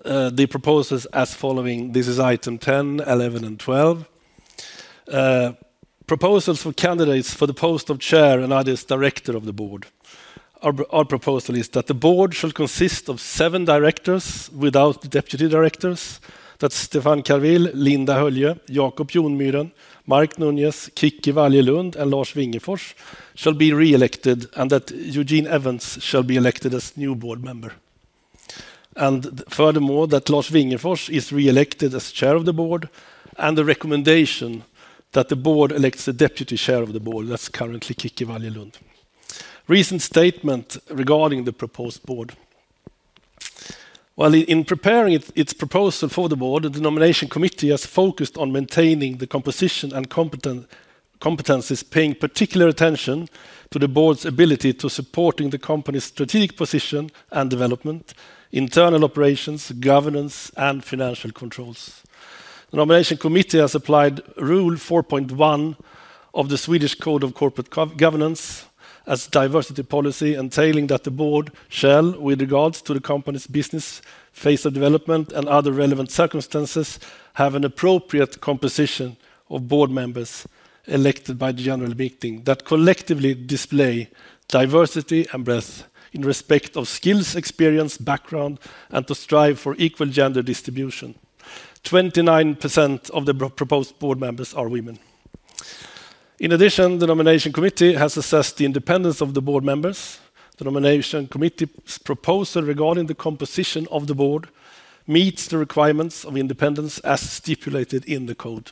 The proposals as following. This is item 10, 11, and 12. Proposals for candidates for the post of chair and others director of the board. Our proposal is that the board shall consist of seven directors without deputy directors. That's Stefan Kervill, Linda Höllö, Jacob Jónmyren, Mark Nunes, Kicki Wallilund, and Lars Vingefors shall be re-elected, and that Eugene Evans shall be elected as new board member. Furthermore, that Lars Vingefors is re-elected as chair of the board, and the recommendation that the board elects a deputy chair of the board, that's currently Kicki Wallilund. Recent statement regarding the proposed board. In preparing its proposal for the board, the nomination committee has focused on maintaining the composition and competencies, paying particular attention to the board's ability to support the company's strategic position and development, internal operations, governance, and financial controls. The nomination committee has applied rule 4.1 of the Swedish Code of Corporate Governance as diversity policy, entailing that the board shall, with regards to the company's business, face of development, and other relevant circumstances, have an appropriate composition of board members elected by the general meeting that collectively display diversity and breadth in respect of skills, experience, background, and to strive for equal gender distribution. 29% of the proposed board members are women. In addition, the nomination committee has assessed the independence of the board members. The nomination committee's proposal regarding the composition of the board meets the requirements of independence as stipulated in the code.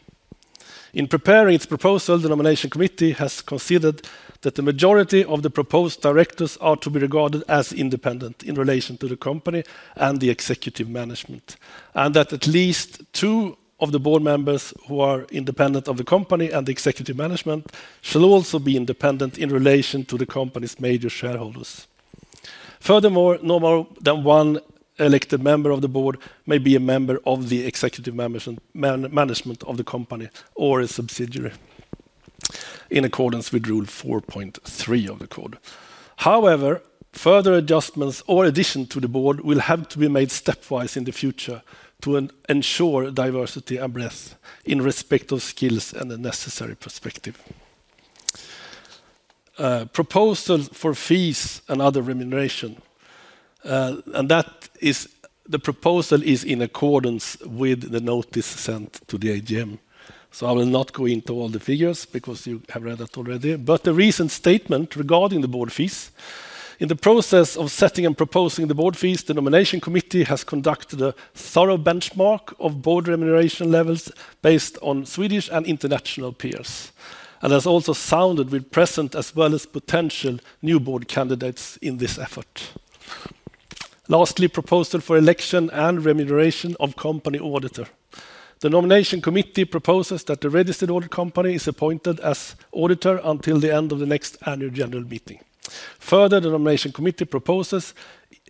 In preparing its proposal, the nomination committee has considered that the majority of the proposed directors are to be regarded as independent in relation to the company and the executive management, and that at least two of the board members who are independent of the company and the executive management shall also be independent in relation to the company's major shareholders. Furthermore, no more than one elected member of the board may be a member of the executive management of the company or a subsidiary, in accordance with rule 4.3 of the code. However, further adjustments or additions to the board will have to be made stepwise in the future to ensure diversity and breadth in respect of skills and the necessary perspective. Proposal for fees and other remuneration, and that is the proposal is in accordance with the notice sent to the AGM. I will not go into all the figures because you have read that already. The recent statement regarding the board fees, in the process of setting and proposing the board fees, the nomination committee has conducted a thorough benchmark of board remuneration levels based on Swedish and international peers. It has also sounded with present as well as potential new board candidates in this effort. Lastly, proposal for election and remuneration of company auditor. The nomination committee proposes that the registered audit company is appointed as auditor until the end of the next annual general meeting. Further, the nomination committee proposes,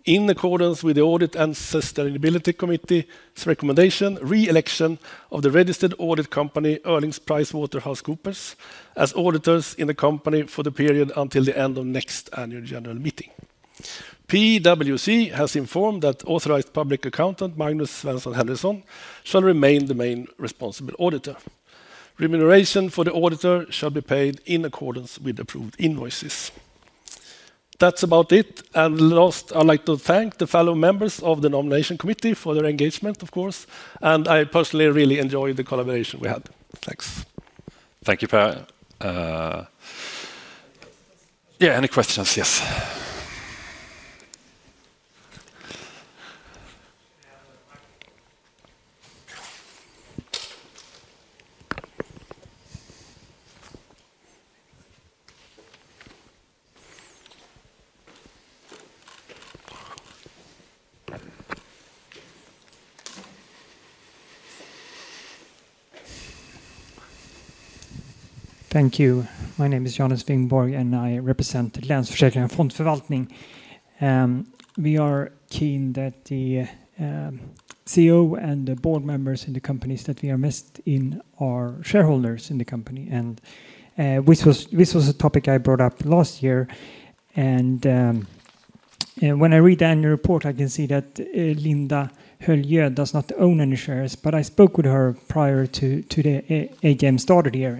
in accordance with the audit and sustainability committee's recommendation, re-election of the registered audit company, Erlings Price Waterhouse Coopers, as auditors in the company for the period until the end of next annual general meeting. PwC has informed that authorized public accountant, Magnus Svensson-Hännesson, shall remain the main responsible auditor. Remuneration for the auditor shall be paid in accordance with approved invoices. That's about it. Last, I'd like to thank the fellow members of the nomination committee for their engagement, of course. I personally really enjoyed the collaboration we had. Thanks. Thank you, Pai. Yeah, any questions? Yes. Thank you. My name is Janus Wingborg and I represent Länsförsäkringar Fondsförvaltning. We are keen that the CEO and the board members in the companies that we are invested in are shareholders in the company. This was a topic I brought up last year. When I read the annual report, I can see that Linda Höllö does not own any shares, but I spoke with her prior to the AGM starting here,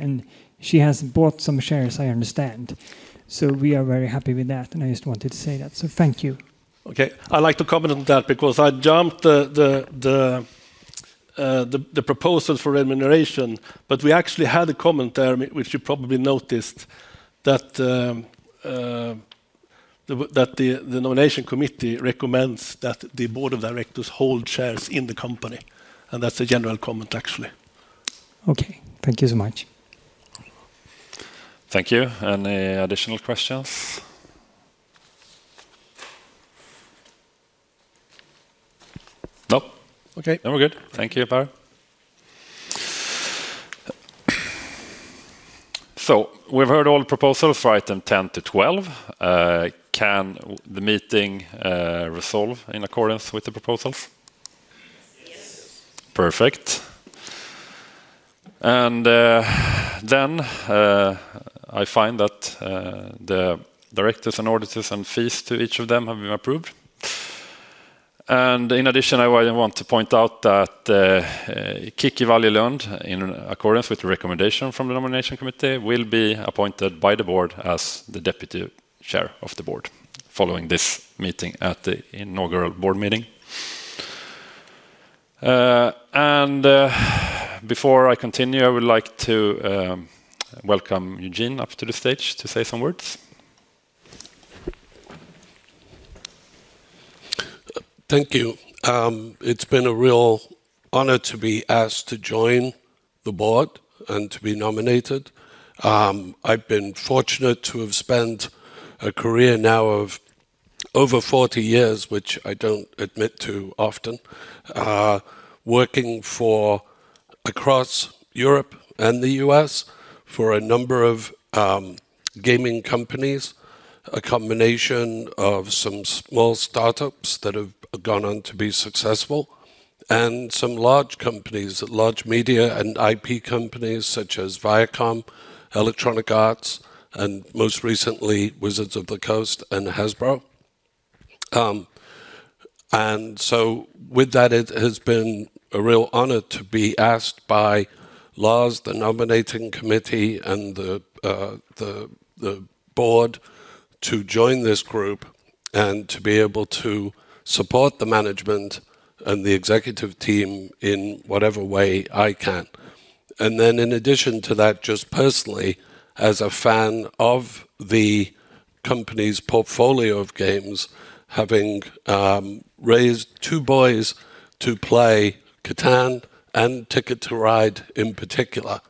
and she has bought some shares, I understand. We are very happy with that, and I just wanted to say that. Thank you. I'd like to comment on that because I skipped the proposal for remuneration, but we actually had a comment there, which you probably noticed, that the nomination committee recommends that the board of directors hold shares in the company. That's a general comment, actually. Okay, thank you so much. Thank you. Any additional questions? Nope. Okay, then we're good. Thank you, Pai. So we've heard all the proposals for item 10 to 12. Can the meeting resolve in accordance with the proposals? Yes. Perfect. I find that the directors and auditors and fees to each of them have been approved. In addition, I want to point out that Kicki Wallilund, in accordance with the recommendation from the nomination committee, will be appointed by the board as the deputy chair of the board following this meeting at the inaugural board meeting. Before I continue, I would like to welcome Eugene up to the stage to say some words. Thank you. It's been a real honor to be asked to join the board and to be nominated. I've been fortunate to have spent a career now of over 40 years, which I don't admit to often, working across Europe and the U.S. for a number of gaming companies, a combination of some small startups that have gone on to be successful, and some large companies, large media and IP companies such as Viacom, Electronic Arts, and most recently, Wizards of the Coast and Hasbro. With that, it has been a real honor to be asked by Lars, the nominating committee, and the board to join this group and to be able to support the management and the executive team in whatever way I can. In addition to that, just personally, as a fan of the company's portfolio of games, having raised two boys to play Catan and Ticket to Ride in particular.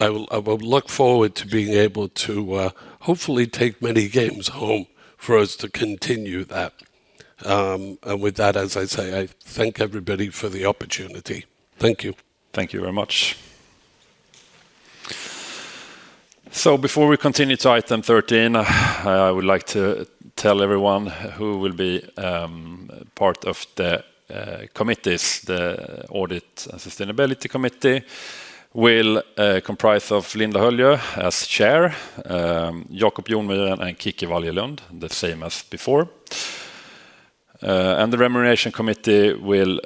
I will look forward to being able to hopefully take many games home for us to continue that. With that, as I say, I thank everybody for the opportunity. Thank you. Thank you very much. Before we continue to item 13, I would like to tell everyone who will be part of the committees. The audit and sustainability committee will comprise of Linda Höllö as chair, Jacob Jónmyren and Kicki Wallilund, the same as before. The remuneration committee will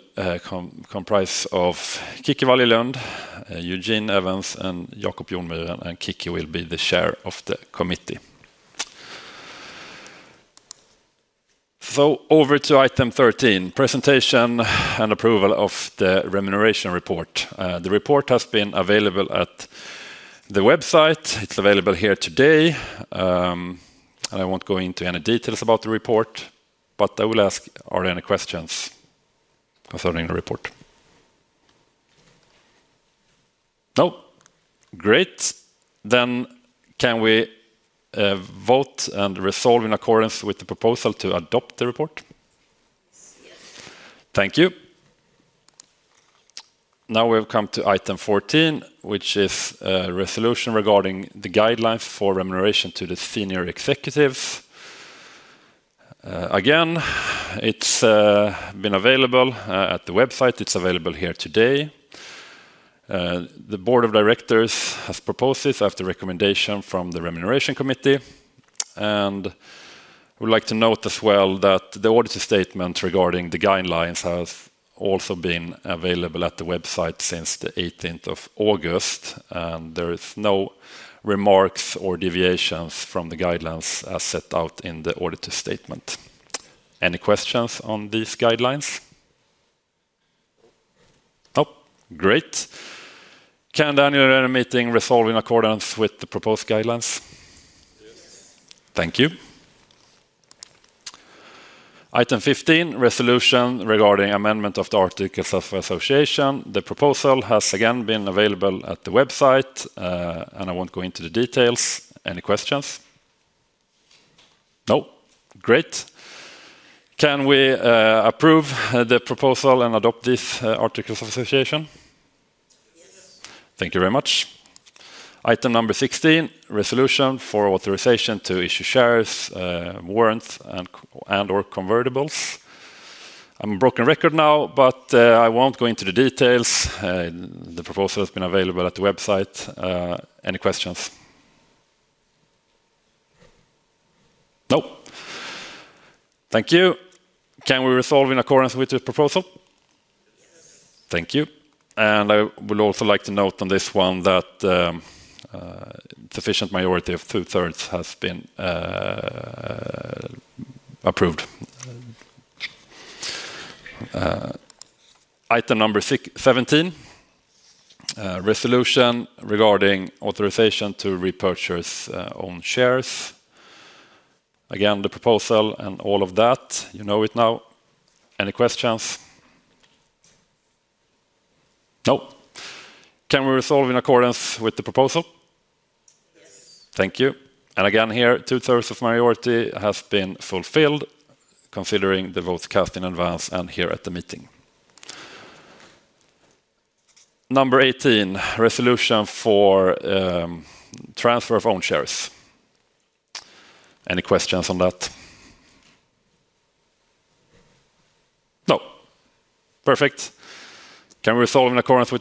comprise of Kicki Wallilund, Eugene Evans, and Jacob Jónmyren, and Kicki will be the chair of the committee. Over to item 13, presentation and approval of the remuneration report. The report has been available at the website. It's available here today. I won't go into any details about the report, but I will ask, are there any questions concerning the report? No? Great. Then can we vote and resolve in accordance with the proposal to adopt the report? Thank you. Now we have come to item 14, which is a resolution regarding the guidelines for remuneration to the senior executives. Again, it's been available at the website. It's available here today. The board of directors has proposed this after recommendation from the remuneration committee. I would like to note as well that the auditor statement regarding the guidelines has also been available at the website since the 18th of August, and there are no remarks or deviations from the guidelines as set out in the auditor statement. Any questions on these guidelines? Nope. Great. Can the annual meeting resolve in accordance with the proposed guidelines? Thank you. Item 15, resolution regarding amendment of the articles of association. The proposal has again been available at the website, and I won't go into the details. Any questions? No? Great. Can we approve the proposal and adopt this articles of association? Thank you very much. Item number 16, resolution for authorization to issue shares, warrants, and/or convertibles. I'm on a broken record now, but I won't go into the details. The proposal has been available at the website. Any questions? No? Thank you. Can we resolve in accordance with this proposal? Thank you. I would also like to note on this one that a sufficient majority of two-thirds has been approved. Item number 17, resolution regarding authorization to repurchase owned shares. Again, the proposal and all of that, you know it now. Any questions? No? Can we resolve in accordance with the proposal? Thank you. Again here, two-thirds of majority has been fulfilled, considering the votes cast in advance and here at the meeting. Number 18, resolution for transfer of owned shares. Any questions on that? No? Perfect. Can we resolve in accordance with the proposal? Yes. Thank you. And again, sufficient majority of two-thirds based on the votes cast here and in advance. So we've come to the end of the road, and I would like to thank everyone for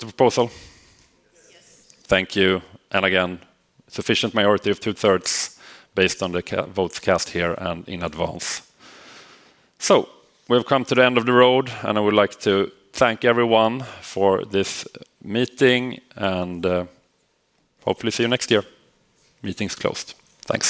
this meeting, and hopefully see you next year. Meeting's closed. Thanks.